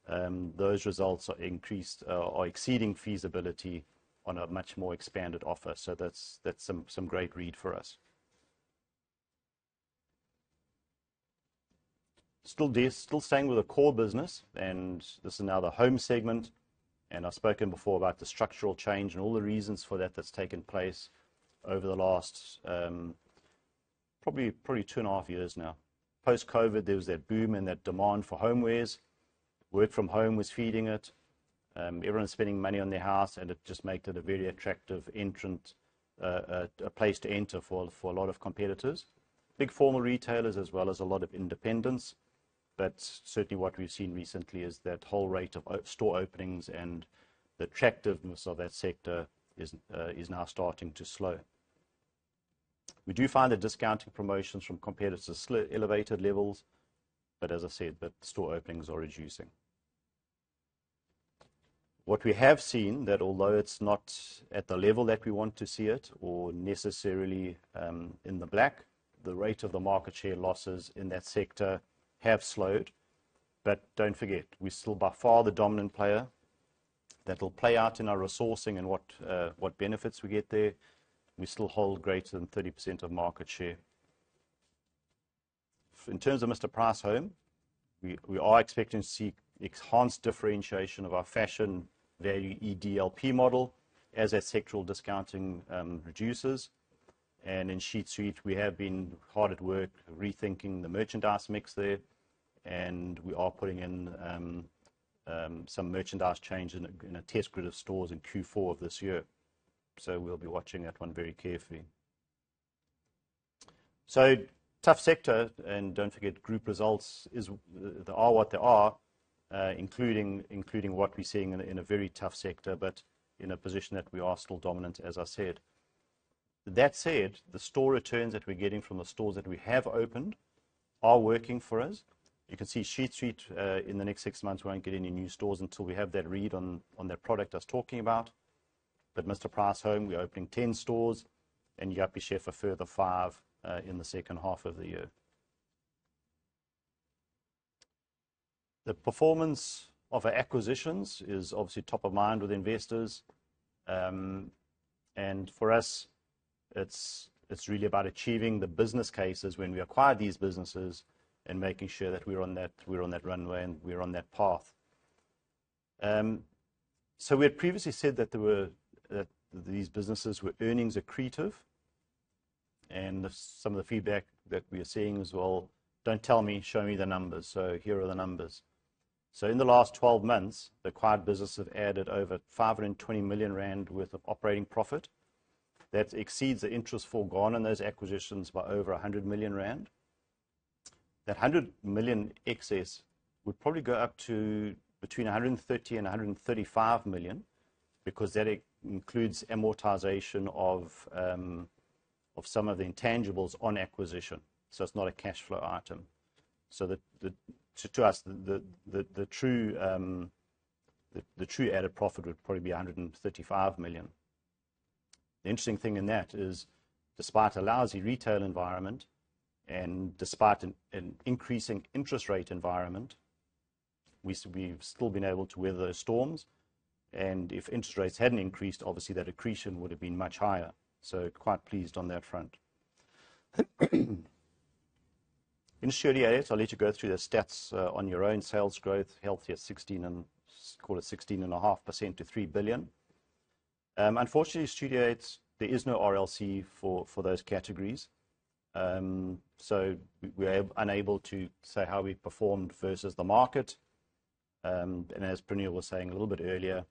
those results are exceeding feasibility on a much more expanded offer. That's some great read for us. Still staying with the core business, and this is now the home segment, and I've spoken before about the structural change and all the reasons for that that's taken place over the last probably two and a half years now. Post-COVID, there was that boom and that demand for homewares. Work from home was feeding it. Everyone's spending money on their house, and it just made it a very attractive place to enter for a lot of competitors. Big formal retailers as well as a lot of independents. Certainly what we've seen recently is that whole rate of store openings and the attractiveness of that sector is now starting to slow. We do find the discounting promotions from competitors are elevated levels, but as I said, the store openings are reducing. What we have seen, that although it's not at the level that we want to see it or necessarily in the black, the rate of the market share losses in that sector have slowed. Don't forget, we're still by far the dominant player. That'll play out in our resourcing and what benefits we get there. We still hold greater than 30% of market share. In terms of Mr Price Home, we are expecting to see enhanced differentiation of our fashion value EDLP model as that sectoral discounting reduces. In Sheet Street, we have been hard at work rethinking the merchandise mix there, and we are putting in some merchandise change in a test grid of stores in Q4 of this year. We'll be watching that one very carefully. Tough sector, and don't forget group results are what they are, including what we're seeing in a very tough sector, but in a position that we are still dominant, as I said. That said, the store returns that we're getting from the stores that we have opened are working for us. You can see Sheet Street, in the next six months, we won't get any new stores until we have that read on that product I was talking about. Mr Price Home, we're opening 10 stores, and Yuppiechef a further five in the second half of the year. The performance of our acquisitions is obviously top of mind with investors. For us, it's really about achieving the business cases when we acquire these businesses and making sure that we're on that runway and we're on that path. We had previously said that these businesses were earnings accretive, and some of the feedback that we are seeing is, "Well, don't tell me, show me the numbers." Here are the numbers. In the last 12 months, the acquired business have added over 520 million rand worth of operating profit. That exceeds the interest forgone on those acquisitions by over 100 million rand. That 100 million excess would probably go up to between 130 million and 135 million because that includes amortization of some of the intangibles on acquisition. It's not a cash flow item. To us, the true added profit would probably be 135 million. The interesting thing in that is despite a lousy retail environment and despite an increasing interest rate environment, we've still been able to weather those storms. If interest rates hadn't increased, obviously that accretion would have been much higher. Quite pleased on that front. In Studio 88, I'll let you go through the stats on your own. Sales growth healthy at call it 16.5% to 3 billion. Unfortunately, Studio 88, there is no RLC for those categories. We're unable to say how we performed versus the market. As Praneel was saying a little bit earlier,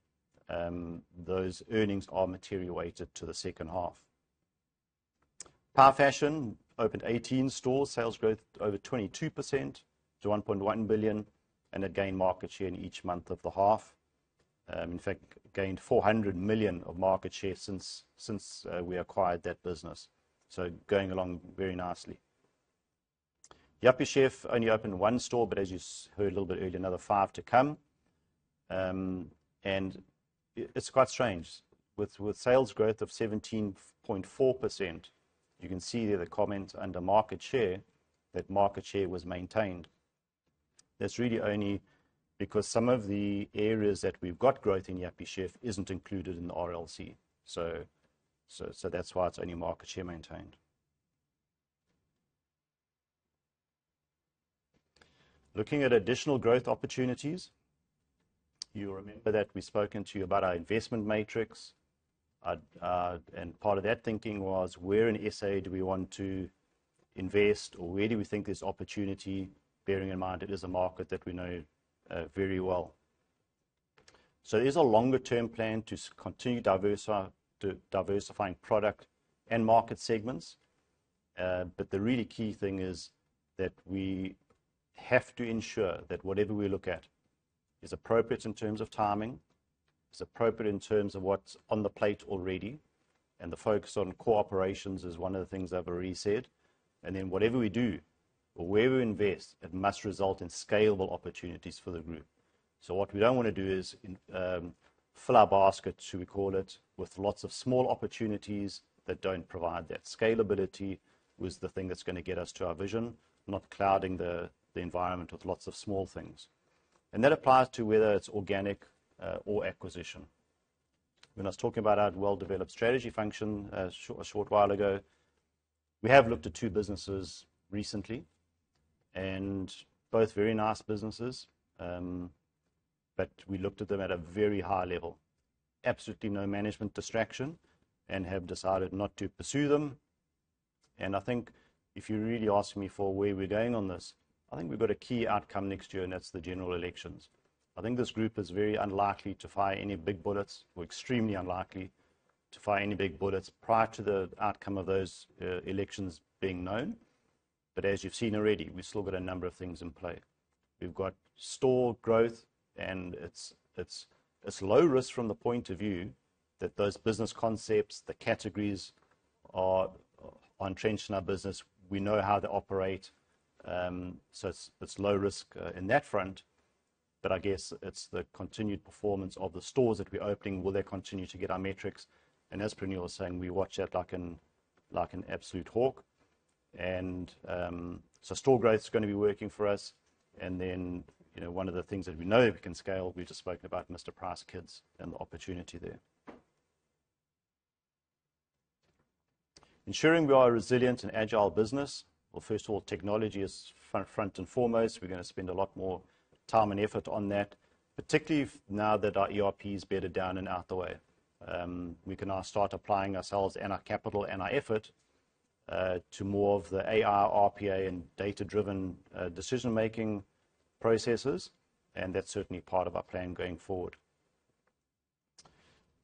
those earnings are material weighted to the second half. Power Fashion opened 18 stores, sales growth over 22% to 1.1 billion. It gained market share in each month of the half. In fact, gained 400 million of market share since we acquired that business. Going along very nicely. Yuppiechef only opened one store, but as you heard a little bit earlier, another five to come. It's quite strange. With sales growth of 17.4%, you can see there the comment under market share, that market share was maintained. That's really only because some of the areas that we've got growth in Yuppiechef isn't included in the RLC. That's why it's only market share maintained. Looking at additional growth opportunities, you remember that we've spoken to you about our investment matrix. Part of that thinking was where in SA do we want to invest, or where do we think there's opportunity, bearing in mind it is a market that we know very well. There's a longer-term plan to continue diversifying product and market segments. The really key thing is that we have to ensure that whatever we look at is appropriate in terms of timing, is appropriate in terms of what's on the plate already. The focus on cooperations is one of the things I've already said. Whatever we do or where we invest, it must result in scalable opportunities for the group. What we don't want to do is fill our basket, should we call it, with lots of small opportunities that don't provide that scalability with the thing that's going to get us to our vision, not clouding the environment with lots of small things. That applies to whether it's organic or acquisition. When I was talking about our well-developed strategy function a short while ago, we have looked at two businesses recently. Both very nice businesses. We looked at them at a very high level. Absolutely no management distraction. Have decided not to pursue them. I think if you really ask me for where we're going on this, I think we've got a key outcome next year. That's the general elections. I think this group is very unlikely to fire any big bullets. We're extremely unlikely to fire any big bullets prior to the outcome of those elections being known. As you've seen already, we've still got a number of things in play. We've got store growth, and it's low risk from the point of view that those business concepts, the categories, are entrenched in our business. We know how they operate. It's low risk in that front, but I guess it's the continued performance of the stores that we're opening. Will they continue to get our metrics? As Praneel was saying, we watch that like an absolute hawk. Store growth is going to be working for us. Then one of the things that we know we can scale, we've just spoken about Mr Price Kids and the opportunity there. Ensuring we are a resilient and agile business. First of all, technology is front and foremost. We're going to spend a lot more time and effort on that, particularly now that our ERP is bedded down and out the way. We can now start applying ourselves and our capital and our effort, to more of the AI, RPA, and data-driven decision-making processes, and that's certainly part of our plan going forward.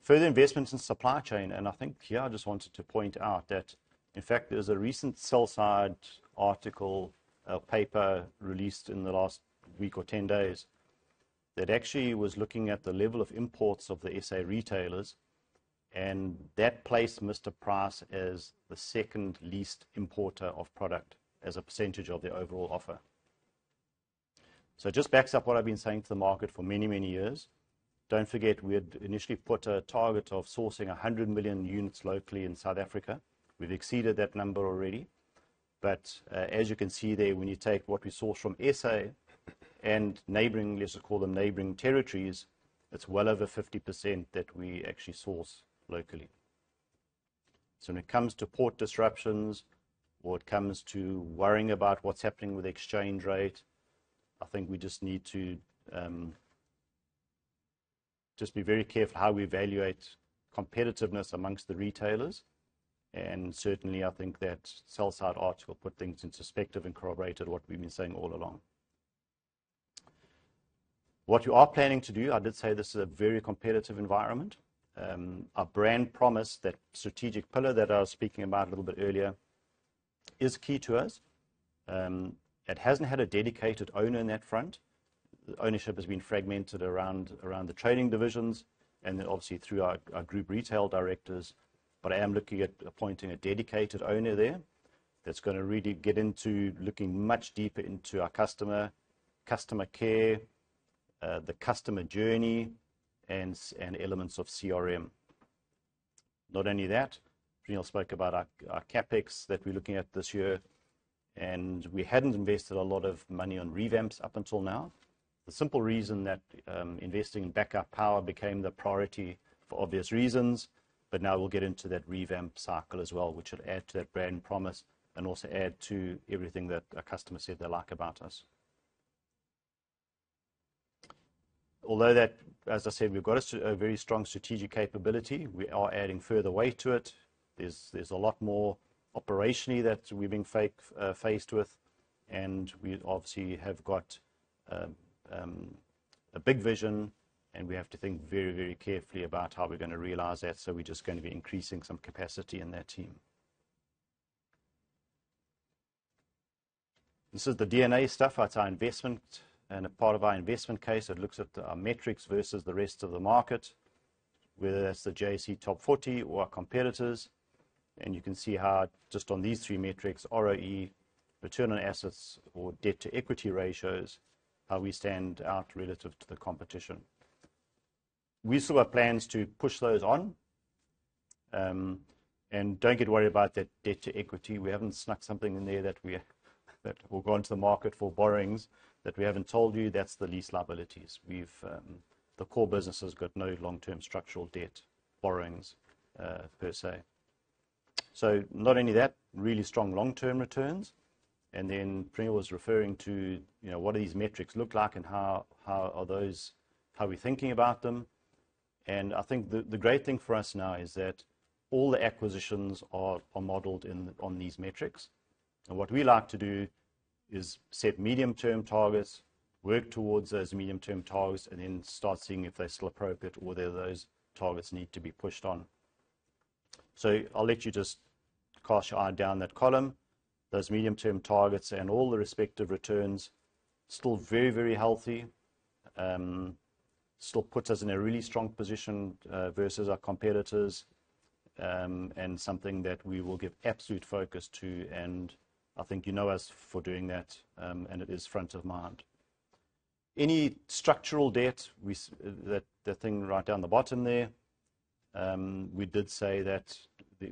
Further investments in supply chain, and I think here I just wanted to point out that, in fact, there's a recent Sell Side article, a paper released in the last week or 10 days that actually was looking at the level of imports of the SA retailers, and that placed Mr Price as the second least importer of product as a percentage of their overall offer. It just backs up what I've been saying to the market for many, many years. Don't forget, we had initially put a target of sourcing 100 million units locally in South Africa. We've exceeded that number already. As you can see there, when you take what we source from SA and neighboring, let's call them neighboring territories, it's well over 50% that we actually source locally. When it comes to port disruptions or it comes to worrying about what's happening with exchange rate, I think we just need to just be very careful how we evaluate competitiveness amongst the retailers. Certainly, I think that Sell Side article put things into perspective and corroborated what we've been saying all along. What you are planning to do, I did say this is a very competitive environment. Our brand promise, that strategic pillar that I was speaking about a little bit earlier, is key to us. It hasn't had a dedicated owner in that front. The ownership has been fragmented around the trading divisions and then obviously through our group retail directors. But I am looking at appointing a dedicated owner there that's going to really get into looking much deeper into our customer care, the customer journey and elements of CRM. Not only that, Praneel spoke about our CapEx that we're looking at this year, and we hadn't invested a lot of money on revamps up until now. The simple reason that investing in backup power became the priority for obvious reasons. But now we'll get into that revamp cycle as well, which will add to that brand promise and also add to everything that our customers said they like about us. Although that, as I said, we've got a very strong strategic capability, we are adding further weight to it. There's a lot more operationally that we've been faced with, and we obviously have got a big vision, and we have to think very, very carefully about how we're going to realize that. We're just going to be increasing some capacity in that team. This is the DNA stuff. That's our investment and a part of our investment case that looks at our metrics versus the rest of the market, whether that's the JSE Top 40 or our competitors. You can see how just on these three metrics, ROE, return on assets or debt to equity ratios, how we stand out relative to the competition. We still have plans to push those on. Don't get worried about that debt to equity. We haven't snuck something in there that will go into the market for borrowings that we haven't told you. That's the lease liabilities. The core business has got no long-term structural debt borrowings, per se. Not only that, really strong long-term returns. Praneel was referring to what these metrics look like and how are we thinking about them. I think the great thing for us now is that all the acquisitions are modeled on these metrics. What we like to do is set medium-term targets, work towards those medium-term targets, and then start seeing if they're still appropriate or whether those targets need to be pushed on. I'll let you just cast your eye down that column, those medium-term targets and all the respective returns, still very, very healthy. Still puts us in a really strong position versus our competitors. Something that we will give absolute focus to, and I think you know us for doing that, and it is front of mind. Any structural debt, the thing right down the bottom there, we did say that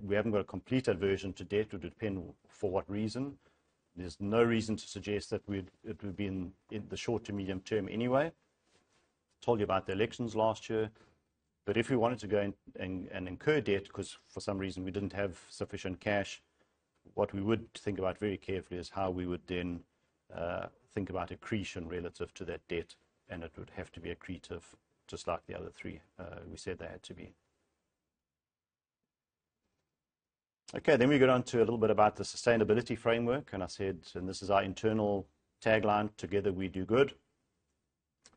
we haven't got a complete aversion to debt. It would depend for what reason. There's no reason to suggest that it would be in the short to medium term anyway. Told you about the elections last year. If we wanted to go and incur debt because, for some reason, we didn't have sufficient cash, what we would think about very carefully is how we would then think about accretion relative to that debt, and it would have to be accretive, just like the other three we said they had to be. We go on to a little bit about the sustainability framework, and I said, this is our internal tagline, "Together we do good."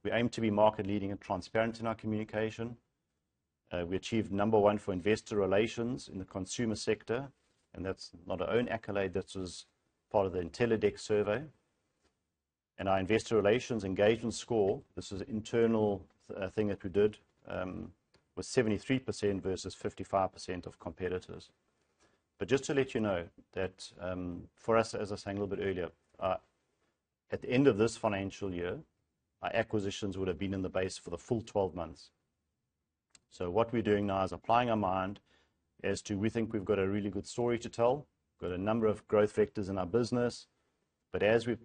We aim to be market leading and transparent in our communication. We achieved number one for investor relations in the consumer sector, and that's not our own accolade. That was part of the Intellidex survey. Our investor relations engagement score, this is an internal thing that we did, was 73% versus 55% of competitors. Just to let you know that for us, as I was saying a little bit earlier, at the end of this financial year, our acquisitions would have been in the base for the full 12 months. What we're doing now is applying our mind as to we think we've got a really good story to tell, got a number of growth vectors in our business. As we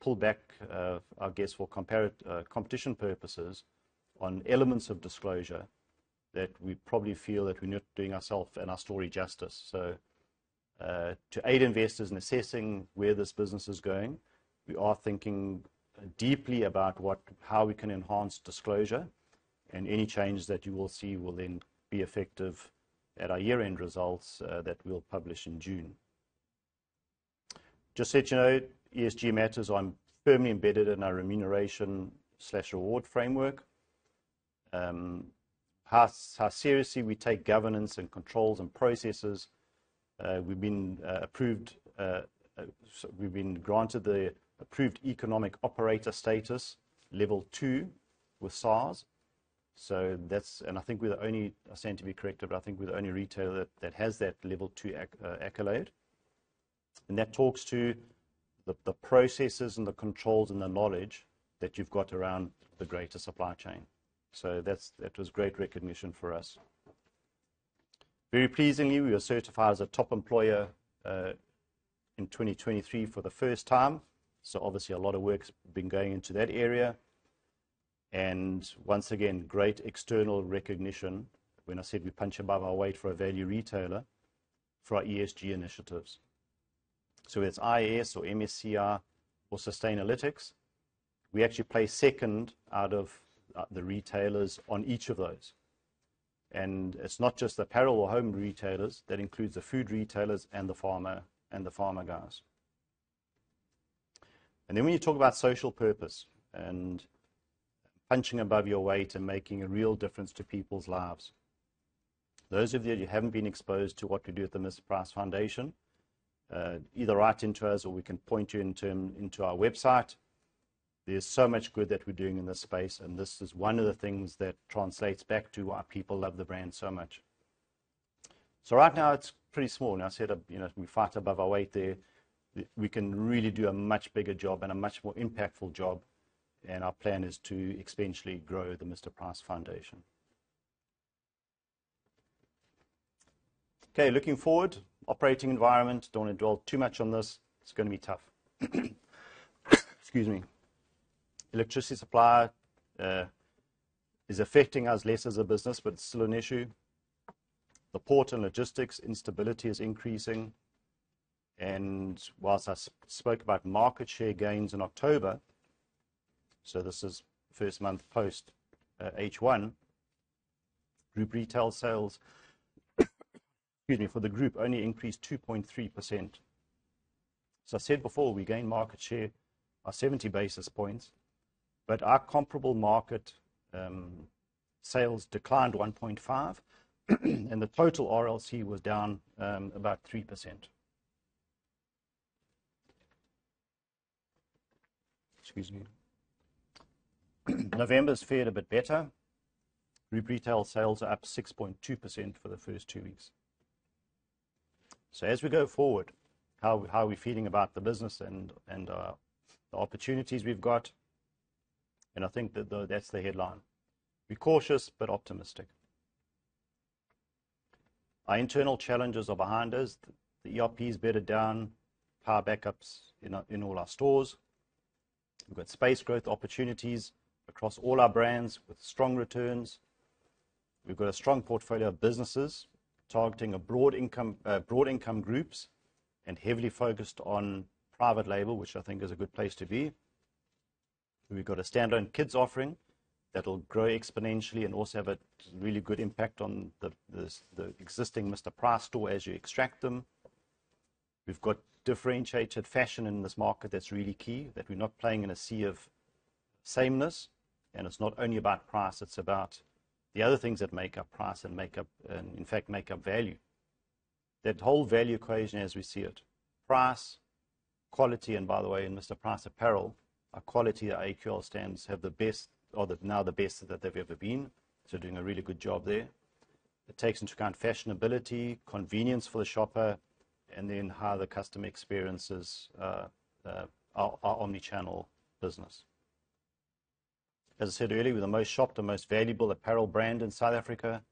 pull back, I guess, for competition purposes on elements of disclosure, that we probably feel that we're not doing ourselves and our story justice. To aid investors in assessing where this business is going, we are thinking deeply about how we can enhance disclosure, and any changes that you will see will then be effective at our year-end results that we'll publish in June. Just to let you know, ESG matters are firmly embedded in our remuneration/reward framework. How seriously we take governance and controls and processes. We've been granted the Authorised Economic Operator status, level 2 with SARS. I stand to be corrected, but I think we're the only retailer that has that level 2 accolade. That talks to the processes and the controls and the knowledge that you've got around the greater supply chain. That was great recognition for us. Very pleasingly, we were certified as a top employer in 2023 for the first time. Obviously a lot of work's been going into that area. Once again, great external recognition when I said we punch above our weight for a value retailer for our ESG initiatives. Whether it's ISS or MSCI or Sustainalytics, we actually place second out of the retailers on each of those. It's not just the apparel or home retailers, that includes the food retailers and the pharma guys. Then when you talk about social purpose and punching above your weight and making a real difference to people's lives, those of you that haven't been exposed to what we do at the Mr Price Foundation, either write in to us or we can point you to our website. There's so much good that we're doing in this space, this is one of the things that translates back to why people love the brand so much. Right now it's pretty small. I said we fight above our weight there. We can really do a much bigger job and a much more impactful job, our plan is to exponentially grow the Mr Price Foundation. Looking forward, operating environment. Don't want to dwell too much on this. It's going to be tough. Excuse me. Electricity supply is affecting us less as a business, but it's still an issue. The port and logistics instability is increasing. Whilst I spoke about market share gains in October, this is first month post H1, group retail sales, excuse me, for the group only increased 2.3%. I said before we gained market share by 70 basis points, but our comparable market sales declined 1.5% and the total RLC was down about 3%. Excuse me. November's fared a bit better. Group retail sales are up 6.2% for the first two weeks. As we go forward, how are we feeling about the business and the opportunities we've got? I think that that's the headline. Be cautious, but optimistic. Our internal challenges are behind us. The ERP is bedded down. Power backups in all our stores. We've got space growth opportunities across all our brands with strong returns. We've got a strong portfolio of businesses targeting broad income groups and heavily focused on private label, which I think is a good place to be. We've got a standalone kids offering that'll grow exponentially and also have a really good impact on the existing Mr Price store as you extract them. We've got differentiated fashion in this market that's really key, that we're not playing in a sea of sameness. It's not only about price, it's about the other things that make up price and, in fact, make up value. That whole value equation as we see it, price, quality, and by the way, in Mr Price Apparel, our quality, our AQL standards have the best, or they're now the best that they've ever been. Doing a really good job there. It takes into account fashionability, convenience for the shopper, and then how the customer experiences our omni-channel business. As I said earlier, we're the most shopped and most valuable apparel brand in South Africa.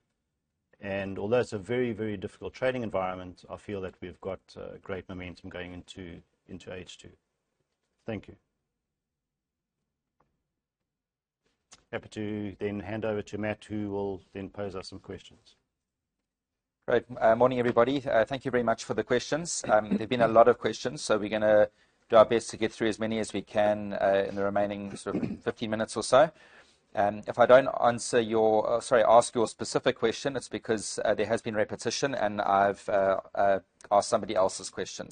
Although it's a very difficult trading environment, I feel that we've got great momentum going into H2. Thank you. Happy to hand over to Matt, who will then pose us some questions. Great. Morning, everybody. Thank you very much for the questions. There've been a lot of questions, we're going to do our best to get through as many as we can in the remaining 15 minutes or so. If I don't ask you a specific question, it's because there has been repetition, and I've asked somebody else's question.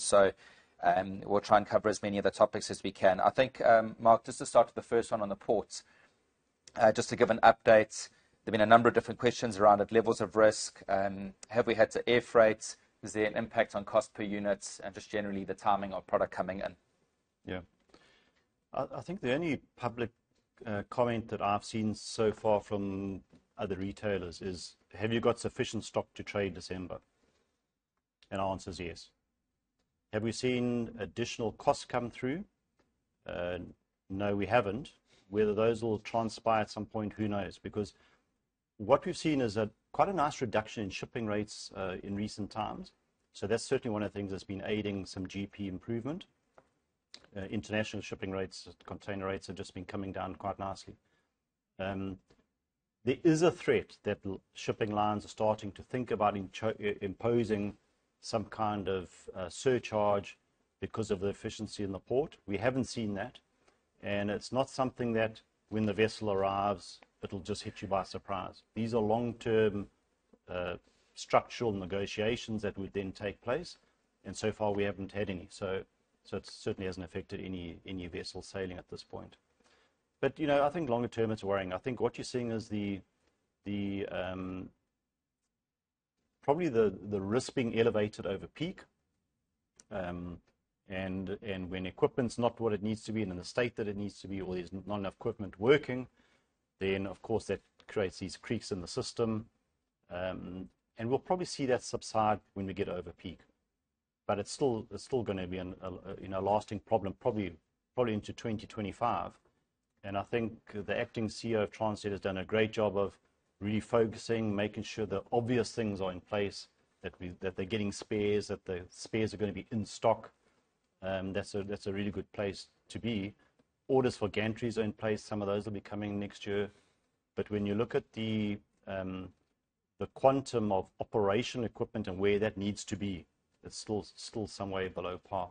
We'll try and cover as many of the topics as we can. I think, Mark, just to start with the first one on the ports. Just to give an update, there's been a number of different questions around it, levels of risk. Have we had to air freight? Is there an impact on cost per unit? Just generally, the timing of product coming in. Yeah. I think the only public comment that I've seen so far from other retailers is, "Have you got sufficient stock to trade December?" Our answer is yes. Have we seen additional costs come through? No, we haven't. Whether those will transpire at some point, who knows? Because what we've seen is quite a nice reduction in shipping rates in recent times. That's certainly one of the things that's been aiding some GP improvement. International shipping rates, container rates have just been coming down quite nicely. There is a threat that shipping lines are starting to think about imposing some kind of surcharge because of the efficiency in the port. We haven't seen that, it's not something that when the vessel arrives, it'll just hit you by surprise. These are long-term structural negotiations that would then take place. So far, we haven't had any. It certainly hasn't affected any vessel sailing at this point. I think longer term, it's worrying. I think what you're seeing is probably the risk being elevated over peak. When equipment's not what it needs to be and in a state that it needs to be or there's not enough equipment working, of course, that creates these creeks in the system. We'll probably see that subside when we get over peak. It's still going to be a lasting problem, probably into 2025. I think the acting CEO of Transnet has done a great job of refocusing, making sure the obvious things are in place, that they're getting spares, that the spares are going to be in stock. That's a really good place to be. Orders for gantries are in place. Some of those will be coming next year. When you look at the quantum of operational equipment and where that needs to be, it's still some way below par.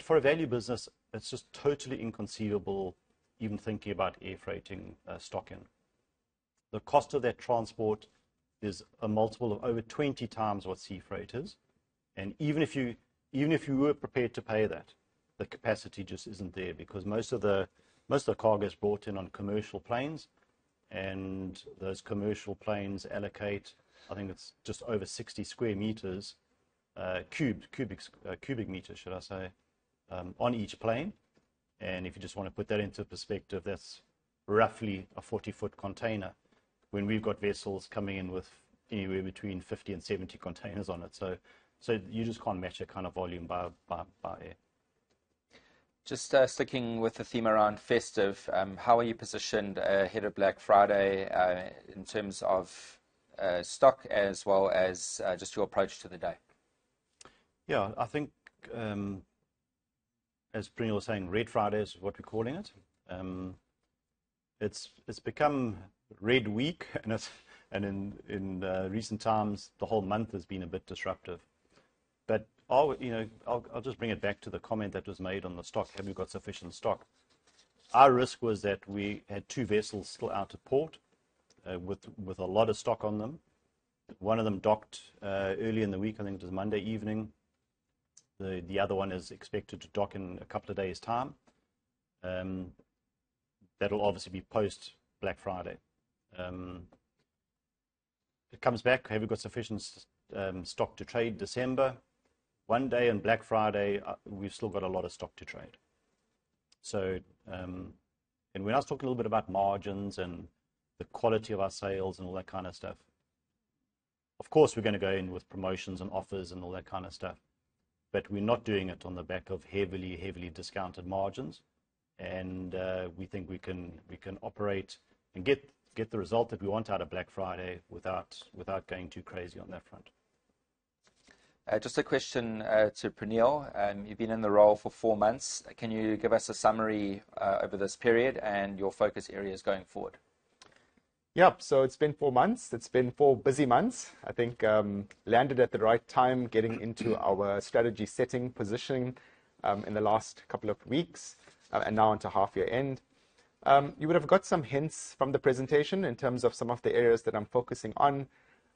For a value business, it's just totally inconceivable even thinking about air freighting stock in. The cost of that transport is a multiple of over 20 times what sea freight is. Even if you were prepared to pay that, the capacity just isn't there because most of the cargo is brought in on commercial planes, and those commercial planes allocate, I think it's just over 60 square meters, cubic meters, should I say, on each plane. If you just want to put that into perspective, that's roughly a 40-foot container when we've got vessels coming in with anywhere between 50 and 70 containers on it. You just can't match that kind of volume by air. Just sticking with the theme around festive, how are you positioned ahead of Black Friday in terms of stock as well as just your approach to the day? I think as Praneel was saying, Red Friday is what we're calling it. It's become Red Week, and in recent times, the whole month has been a bit disruptive. I'll just bring it back to the comment that was made on the stock. Have we got sufficient stock? Our risk was that we had two vessels still out at port with a lot of stock on them. One of them docked early in the week, I think it was Monday evening. The other one is expected to dock in a couple of days' time. That'll obviously be post Black Friday. It comes back, have we got sufficient stock to trade December? One day in Black Friday, we've still got a lot of stock to trade. When I was talking a little bit about margins and the quality of our sales and all that kind of stuff, of course, we're going to go in with promotions and offers and all that kind of stuff. We're not doing it on the back of heavily discounted margins. We think we can operate and get the result that we want out of Black Friday without going too crazy on that front. Just a question to Praneel. You've been in the role for four months. Can you give us a summary over this period and your focus areas going forward? Yep. It's been four months. It's been four busy months. I think landed at the right time, getting into our strategy setting, positioning in the last couple of weeks, now onto half year end. You would have got some hints from the presentation in terms of some of the areas that I'm focusing on.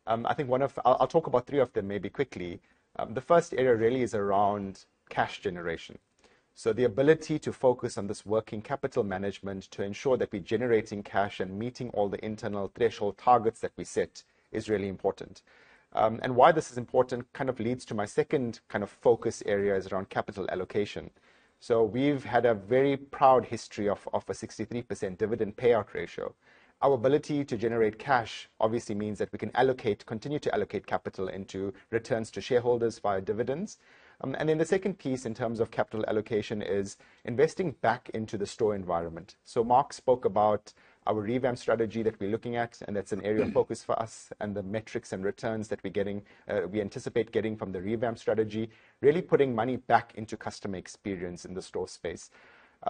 I'll talk about three of them maybe quickly. The first area really is around cash generation. The ability to focus on this working capital management to ensure that we're generating cash and meeting all the internal threshold targets that we set is really important. Why this is important kind of leads to my second focus area is around capital allocation. We've had a very proud history of a 63% dividend payout ratio. Our ability to generate cash obviously means that we can continue to allocate capital into returns to shareholders via dividends. Then the second piece in terms of capital allocation is investing back into the store environment. Mark spoke about our revamp strategy that we're looking at, that's an area of focus for us, the metrics and returns that we anticipate getting from the revamp strategy, really putting money back into customer experience in the store space.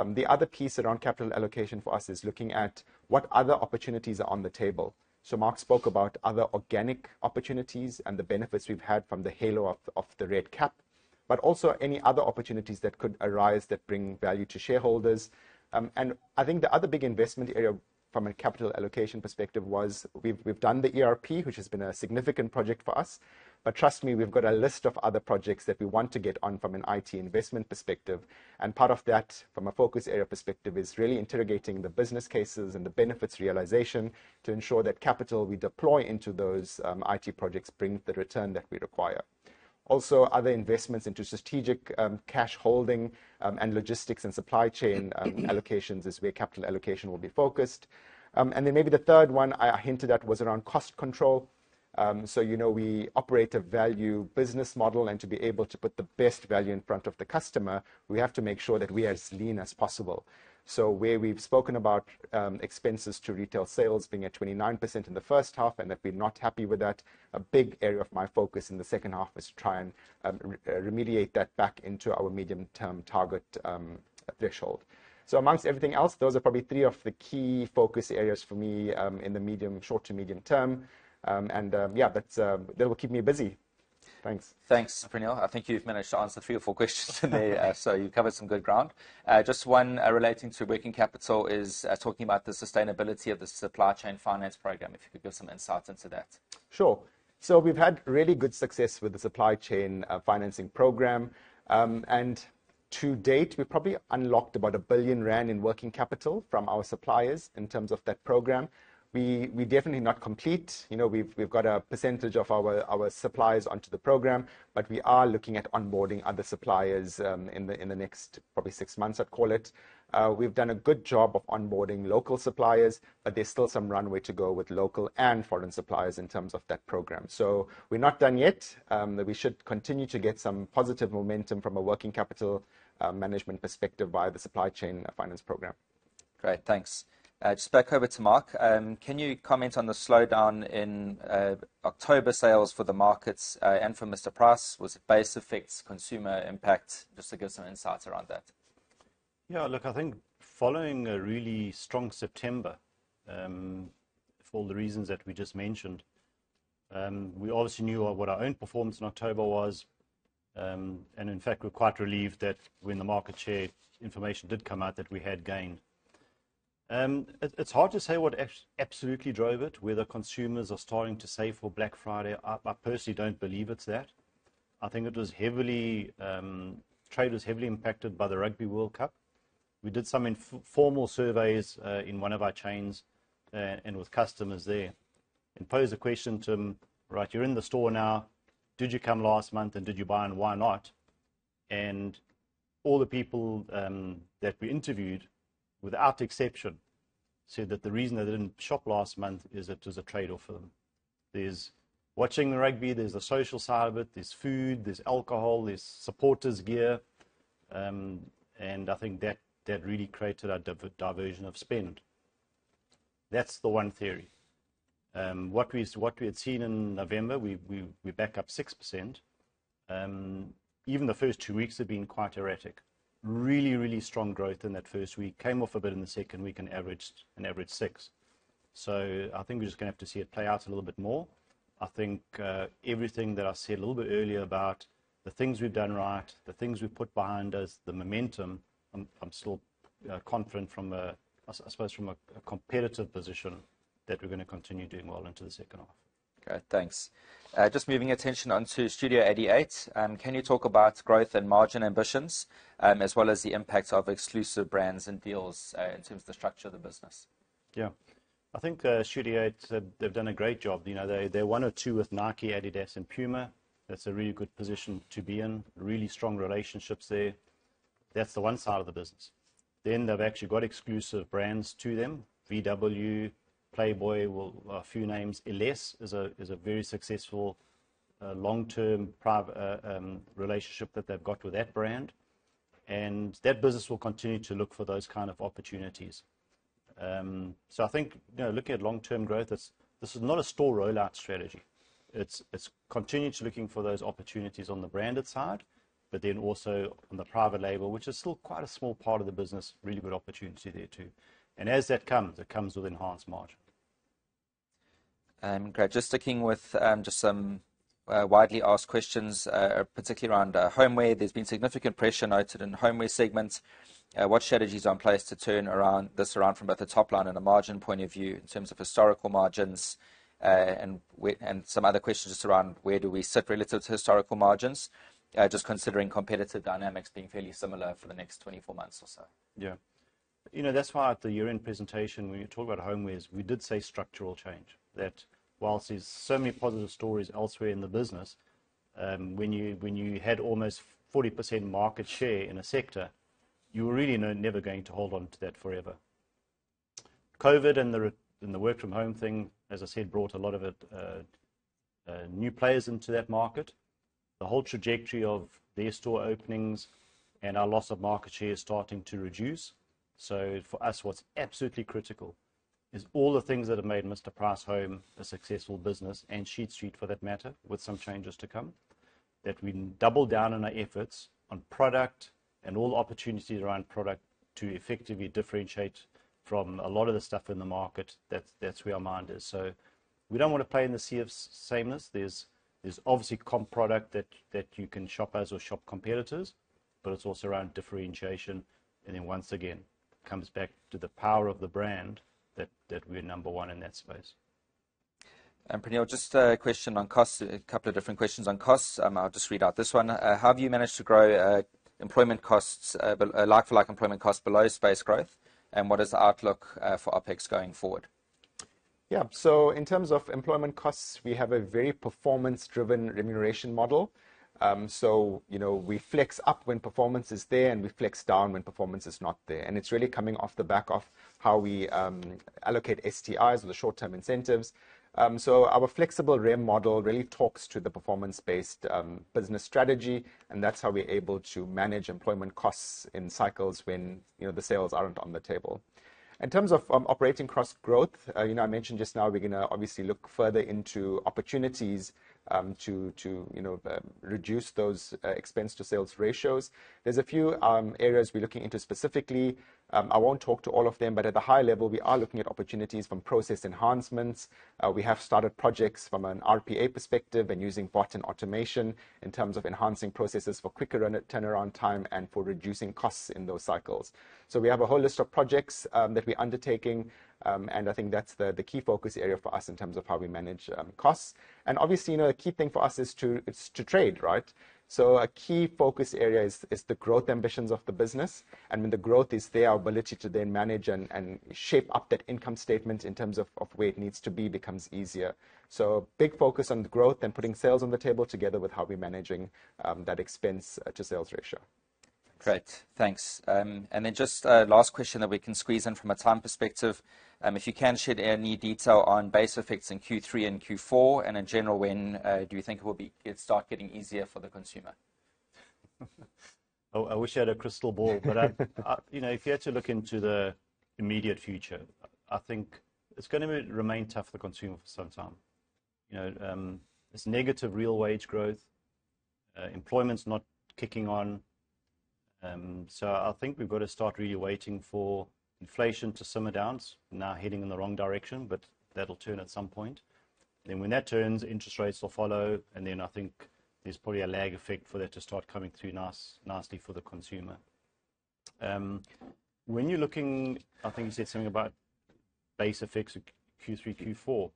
The other piece around capital allocation for us is looking at what other opportunities are on the table. Mark spoke about other organic opportunities and the benefits we've had from the halo of the Red Cap, also any other opportunities that could arise that bring value to shareholders. I think the other big investment area from a capital allocation perspective was we've done the ERP, which has been a significant project for us. Trust me, we've got a list of other projects that we want to get on from an IT investment perspective. Part of that, from a focus area perspective, is really interrogating the business cases and the benefits realization to ensure that capital we deploy into those IT projects brings the return that we require. Also, other investments into strategic cash holding and logistics and supply chain allocations is where capital allocation will be focused. Then maybe the third one I hinted at was around cost control. You know we operate a value business model, and to be able to put the best value in front of the customer, we have to make sure that we are as lean as possible. Where we've spoken about expenses to retail sales being at 29% in the first half and that we're not happy with that, a big area of my focus in the second half was to try and remediate that back into our medium-term target threshold. Amongst everything else, those are probably three of the key focus areas for me in the short to medium term. Yeah, that will keep me busy. Thanks. Thanks, Praneel. I think you've managed to answer three or four questions today, you've covered some good ground. Just one relating to working capital is talking about the sustainability of the supply chain finance program, if you could give some insight into that. Sure. We've had really good success with the supply chain financing program. To date, we've probably unlocked about 1 billion rand in working capital from our suppliers in terms of that program. We're definitely not complete. We've got a percentage of our suppliers onto the program, we are looking at onboarding other suppliers in the next probably six months, I'd call it. We've done a good job of onboarding local suppliers, there's still some runway to go with local and foreign suppliers in terms of that program. We're not done yet, we should continue to get some positive momentum from a working capital management perspective via the supply chain finance program. Great, thanks. Just back over to Mark. Can you comment on the slowdown in October sales for the markets and for Mr Price? Was it base effects, consumer impact? Just to give some insights around that. Look, I think following a really strong September, for all the reasons that we just mentioned, we obviously knew what our own performance in October was. In fact, we're quite relieved that when the market share information did come out, that we had gained. It's hard to say what absolutely drove it, whether consumers are starting to save for Black Friday. I personally don't believe it's that. I think trade was heavily impacted by the Rugby World Cup. We did some informal surveys in one of our chains, and with customers there, and posed the question to them, "Right, you're in the store now. Did you come last month, and did you buy, and why not?" All the people that we interviewed, without exception, said that the reason they didn't shop last month is that it was a trade-off for them. There's watching the rugby, there's the social side of it, there's food, there's alcohol, there's supporters gear. I think that really created a diversion of spend. That's the one theory. What we had seen in November, we're back up 6%. Even the first two weeks have been quite erratic. Really, really strong growth in that first week. Came off a bit in the second week and averaged six. I think we're just going to have to see it play out a little bit more. I think everything that I said a little bit earlier about the things we've done right, the things we've put behind us, the momentum, I'm still confident I suppose from a competitive position, that we're going to continue doing well into the second half. Great, thanks. Just moving attention onto Studio 88. Can you talk about growth and margin ambitions, as well as the impact of exclusive brands and deals in terms of the structure of the business? Yeah. I think Studio 88, they've done a great job. They're one of two with Nike, Adidas, and Puma. That's a really good position to be in. Really strong relationships there. That's the one side of the business. They've actually got exclusive brands to them, VW, Playboy, a few names. ellesse is a very successful long-term private relationship that they've got with that brand. That business will continue to look for those kind of opportunities. I think looking at long-term growth, this is not a store rollout strategy. It's continuously looking for those opportunities on the branded side, but also on the private label, which is still quite a small part of the business, really good opportunity there too. As that comes, it comes with enhanced margin. Great. Just sticking with just some widely asked questions, particularly around homeware. There's been significant pressure noted in homeware segment. What strategies are in place to turn this around from both a top line and a margin point of view in terms of historical margins? Some other questions just around where do we sit relative to historical margins, just considering competitive dynamics being fairly similar for the next 24 months or so? Yeah. That's why at the year-end presentation, when you talk about Homewares, we did say structural change. That whilst there's so many positive stories elsewhere in the business, when you had almost 40% market share in a sector, you're really never going to hold onto that forever. COVID and the work from home thing, as I said, brought a lot of new players into that market. The whole trajectory of their store openings and our loss of market share is starting to reduce. For us, what's absolutely critical is all the things that have made Mr Price Home a successful business and Sheet Street, for that matter, with some changes to come, that we double down on our efforts on product and all opportunities around product to effectively differentiate from a lot of the stuff in the market. That's where our mind is. We don't want to play in the sea of sameness. There's obviously comp product that you can shop us or shop competitors, but it's also around differentiation, and once again, comes back to the power of the brand that we're number one in that space. Praneel, just a question on costs, a couple of different questions on costs. I'll just read out this one. How have you managed to grow employment costs, like-for-like employment cost below space growth, and what is the outlook for OpEx going forward? In terms of employment costs, we have a very performance driven remuneration model. We flex up when performance is there, and we flex down when performance is not there. It's really coming off the back of how we allocate STIs or the Short-Term Incentives. Our flexible REM model really talks to the performance-based business strategy, and that's how we're able to manage employment costs in cycles when the sales aren't on the table. In terms of operating cost growth, I mentioned just now we're going to obviously look further into opportunities to reduce those expense to sales ratios. There's a few areas we're looking into specifically. I won't talk to all of them, but at the high level, we are looking at opportunities from process enhancements. We have started projects from an RPA perspective and using bot and automation in terms of enhancing processes for quicker turnaround time and for reducing costs in those cycles. We have a whole list of projects that we're undertaking, and I think that's the key focus area for us in terms of how we manage costs. Obviously, the key thing for us is to trade, right? A key focus area is the growth ambitions of the business. When the growth is there, our ability to then manage and shape up that income statement in terms of where it needs to be becomes easier. Big focus on growth and putting sales on the table together with how we're managing that expense to sales ratio. Great. Thanks. Then just last question that we can squeeze in from a time perspective. If you can shed any detail on base effects in Q3 and Q4, in general, when do you think it will start getting easier for the consumer? Oh, I wish I had a crystal ball. If you had to look into the immediate future, I think it's going to remain tough for consumer for some time. There's negative real wage growth. Employment's not kicking on. I think we've got to start really waiting for inflation to simmer down. It's now heading in the wrong direction, but that'll turn at some point. When that turns, interest rates will follow, I think there's probably a lag effect for that to start coming through nicely for the consumer. When you're looking, I think you said something about base effects of Q3, Q4.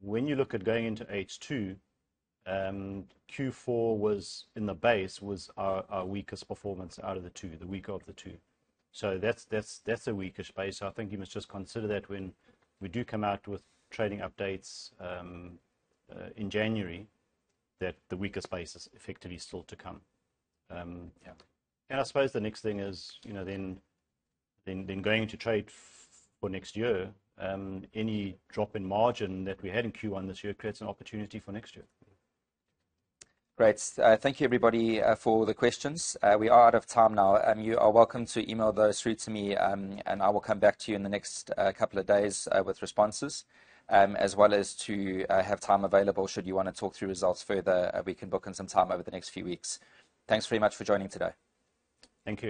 When you look at going into H2, Q4 was in the base was our weakest performance out of the two, the weaker of the two. That's a weaker space. I think you must just consider that when we do come out with trading updates in January, that the weakest base is effectively still to come. Yeah. I suppose the next thing is then going to trade for next year. Any drop in margin that we had in Q1 this year creates an opportunity for next year. Great. Thank you everybody for the questions. We are out of time now. You are welcome to email those through to me, and I will come back to you in the next couple of days with responses, as well as to have time available should you want to talk through results further. We can book in some time over the next few weeks. Thanks very much for joining today. Thank you.